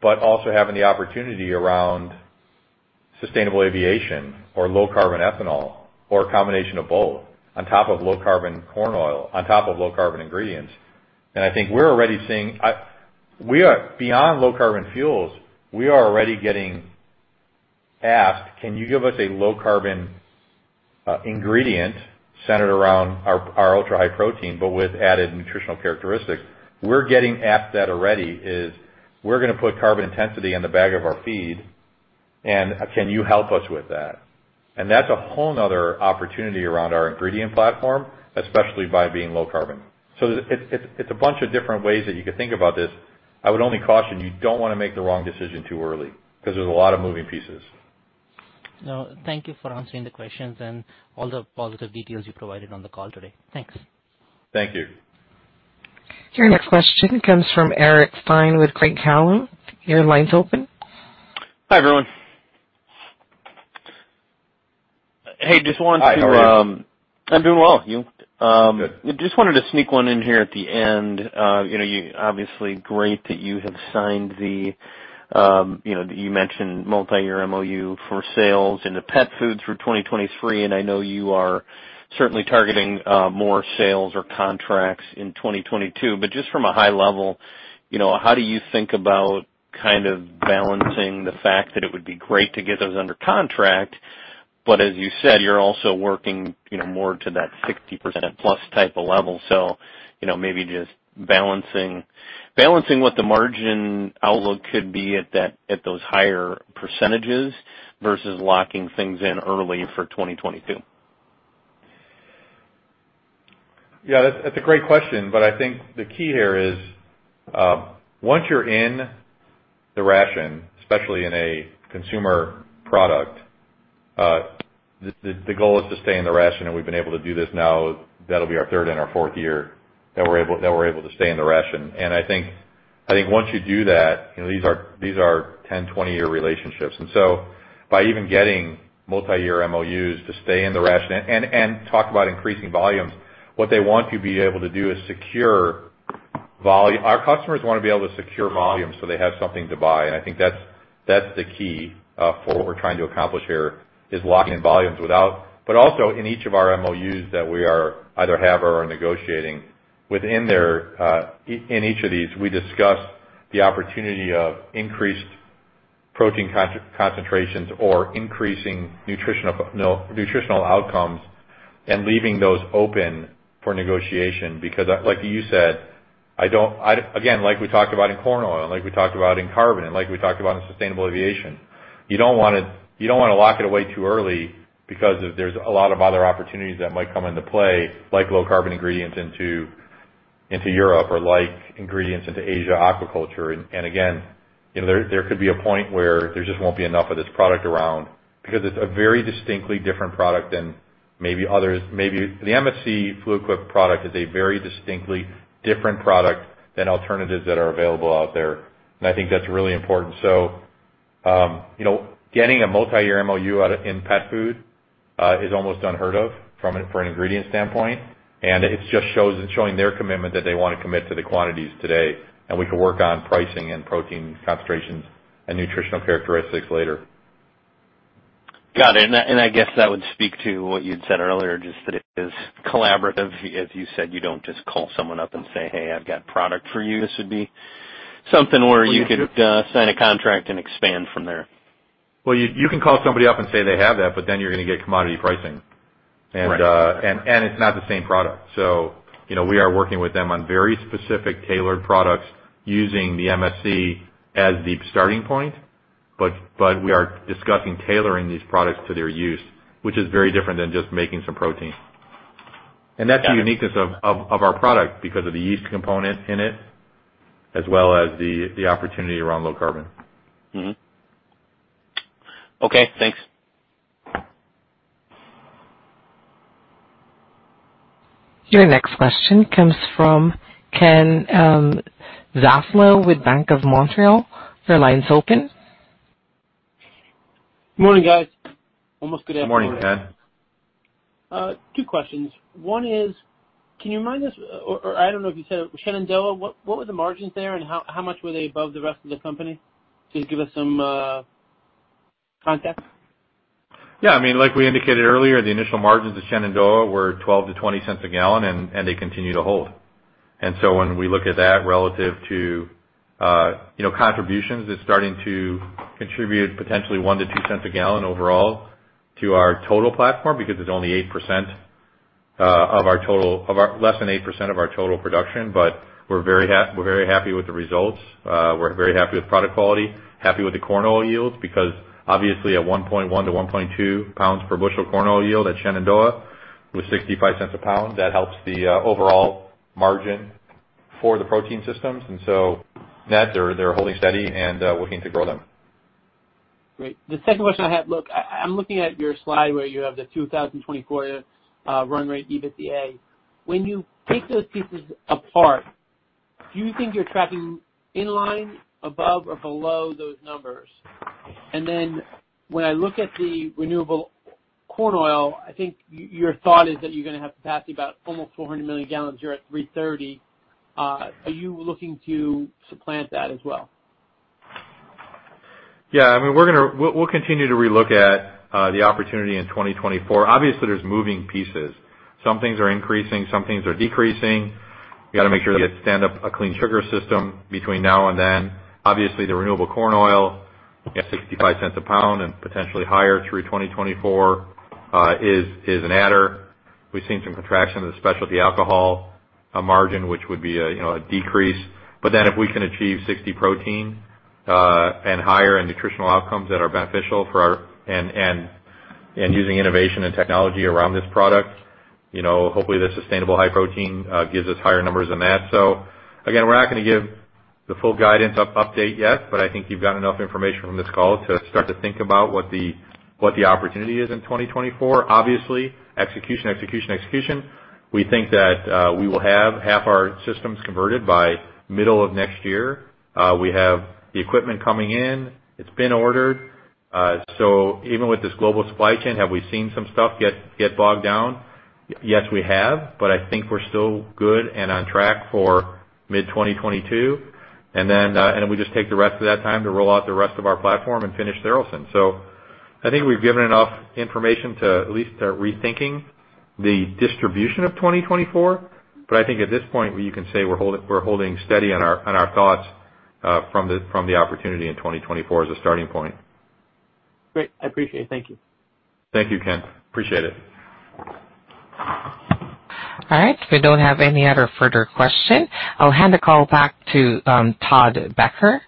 C: but also having the opportunity around sustainable aviation or low carbon ethanol or a combination of both on top of low carbon corn oil, on top of low carbon ingredients. I think we're already seeing we are beyond low carbon fuels. We are already getting asked, "Can you give us a low carbon ingredient centered around our Ultra-High Protein but with added nutritional characteristics?" We're getting asked that already, "We're gonna put carbon intensity in the bag of our feed, and can you help us with that?" That's a whole nother opportunity around our ingredient platform, especially by being low carbon. It's a bunch of different ways that you can think about this. I would only caution you don't wanna make the wrong decision too early, 'cause there's a lot of moving pieces.
H: No, thank you for answering the questions and all the positive details you provided on the call today. Thanks.
C: Thank you.
A: Your next question comes from Eric Stine with Craig-Hallum. Your line's open.
I: Hi, everyone. Hey, just wanted to.
C: Hi. How are you?
I: I'm doing well. You?
C: Good.
I: Just wanted to sneak one in here at the end. You know, obviously great that you have signed the, you know, you mentioned multi-year MOU for sales in the pet food through 2023, and I know you are certainly targeting more sales or contracts in 2022. Just from a high level, you know, how do you think about kind of balancing the fact that it would be great to get those under contract, but as you said, you're also working, you know, more to that 60% plus type of level? You know, maybe just balancing what the margin outlook could be at that, at those higher percentages versus locking things in early for 2022.
C: Yeah, that's a great question, but I think the key here is once you're in the ration, especially in a consumer product, the goal is to stay in the ration, and we've been able to do this now. That'll be our third and our fourth year that we're able to stay in the ration. I think once you do that, you know, these are 10-20-year relationships. By even getting multi-year MOUs to stay in the ration and talk about increasing volumes, what they want to be able to do is secure volume. Our customers wanna be able to secure volume so they have something to buy. I think that's the key for what we're trying to accomplish here, is locking in volumes without... Also in each of our MOUs that we are either have or are negotiating within them, in each of these, we discuss the opportunity of increased protein concentrations or increasing nutritional outcomes and leaving those open for negotiation. Because, like you said, I again, like we talked about in corn oil and like we talked about in carbon, like we talked about in sustainable aviation, you don't wanna lock it away too early because there's a lot of other opportunities that might come into play, like low carbon ingredients into Europe or like ingredients into Asia aquaculture. Again, you know, there could be a point where there just won't be enough of this product around because it's a very distinctly different product than maybe others. Maybe the MSC Fluid Quip product is a very distinctly different product than alternatives that are available out there. I think that's really important. You know, getting a multi-year MOU out in pet food is almost unheard of for an ingredient standpoint. It just shows their commitment that they wanna commit to the quantities today, and we can work on pricing and protein concentrations and nutritional characteristics later.
I: Got it. I guess that would speak to what you'd said earlier, just that it is collaborative. As you said, you don't just call someone up and say, "Hey, I've got product for you." This would be something where you could sign a contract and expand from there.
C: Well, you can call somebody up and say they have that, but then you're gonna get commodity pricing.
I: Right.
C: It's not the same product. You know, we are working with them on very specific tailored products using the MSC as the starting point. We are discussing tailoring these products to their use, which is very different than just making some protein. That's the uniqueness of our product because of the yeast component in it as well as the opportunity around low carbon.
I: Mm-hmm. Okay, thanks.
A: Your next question comes from Ken Zaslow with BMO Capital Markets. Your line is open.
J: Morning, guys. Almost good afternoon.
C: Morning, Ken.
J: Two questions. One is, can you remind us, or I don't know if you said Shenandoah, what were the margins there and how much were they above the rest of the company? Just give us some context.
C: I mean, like we indicated earlier, the initial margins of Shenandoah were $0.12-$0.20/gal, and they continue to hold. When we look at that relative to, you know, contributions, it's starting to contribute potentially $0.01-$0.02/gal overall to our total platform because it's only 8%, less than 8% of our total production. We're very happy with the results. We're very happy with product quality, happy with the corn oil yields, because obviously at 1.1-1.2 pounds per bushel corn oil yield at Shenandoah with $0.65/pound, that helps the overall margin for the protein systems. Net, they're holding steady and we're looking to grow them.
J: Great. The second question I had. Look, I'm looking at your slide where you have the 2024 run rate EBITDA. When you take those pieces apart, do you think you're tracking in line above or below those numbers? When I look at the renewable corn oil, I think your thought is that you're gonna have capacity about almost 400 million gal. You're at 330. Are you looking to supplant that as well?
C: Yeah. I mean, we'll continue to relook at the opportunity in 2024. Obviously, there are moving pieces. Some things are increasing, some things are decreasing. We gotta make sure we stand up a Clean Sugar system between now and then. Obviously, the renewable corn oil at $0.65 a pound and potentially higher through 2024 is an adder. We've seen some contraction of the specialty alcohol margin, which would be a decrease. If we can achieve 60% protein and higher in nutritional outcomes that are beneficial for our and using innovation and technology around this product, hopefully, the sustainable high protein gives us higher numbers than that. Again, we're not gonna give the full guidance update yet, but I think you've got enough information from this call to start to think about what the opportunity is in 2024. Obviously, execution. We think that we will have half our systems converted by middle of next year. We have the equipment coming in. It's been ordered. So even with this global supply chain, have we seen some stuff get bogged down? Yes, we have, but I think we're still good and on track for mid-2022. And then we just take the rest of that time to roll out the rest of our platform and finish Tharaldson. I think we've given enough information to at least start rethinking the distribution of 2024. I think at this point you can say we're holding steady on our thoughts from the opportunity in 2024 as a starting point.
J: Great. I appreciate it. Thank you.
C: Thank you, Ken. Appreciate it.
A: All right. If we don't have any other further question, I'll hand the call back to Todd Becker.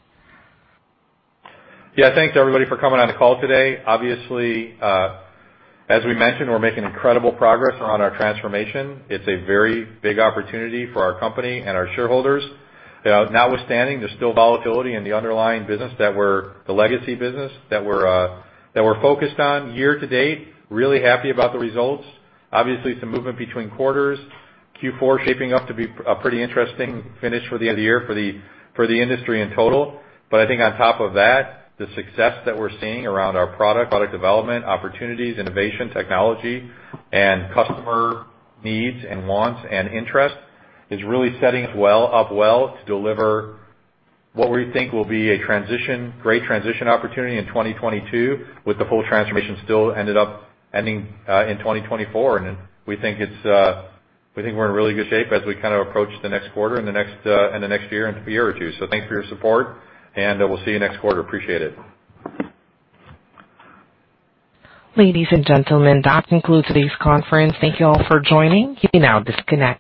C: Yeah. Thanks, everybody, for coming on the call today. Obviously, as we mentioned, we're making incredible progress on our transformation. It's a very big opportunity for our company and our shareholders. Notwithstanding, there's still volatility in the underlying business, the legacy business that we're focused on year to date. Really happy about the results. Obviously, some movement between quarters. Q4 shaping up to be a pretty interesting finish for the end of the year for the industry in total. I think on top of that, the success that we're seeing around our product development, opportunities, innovation, technology, and customer needs and wants and interest is really setting us up well to deliver what we think will be a transition, great transition opportunity in 2022, with the full transformation still ending in 2024. We think we're in really good shape as we kind of approach the next quarter and the next year and the year or two. Thanks for your support, and we'll see you next quarter. Appreciate it.
A: Ladies and gentlemen, that concludes today's conference. Thank you all for joining. You may now disconnect.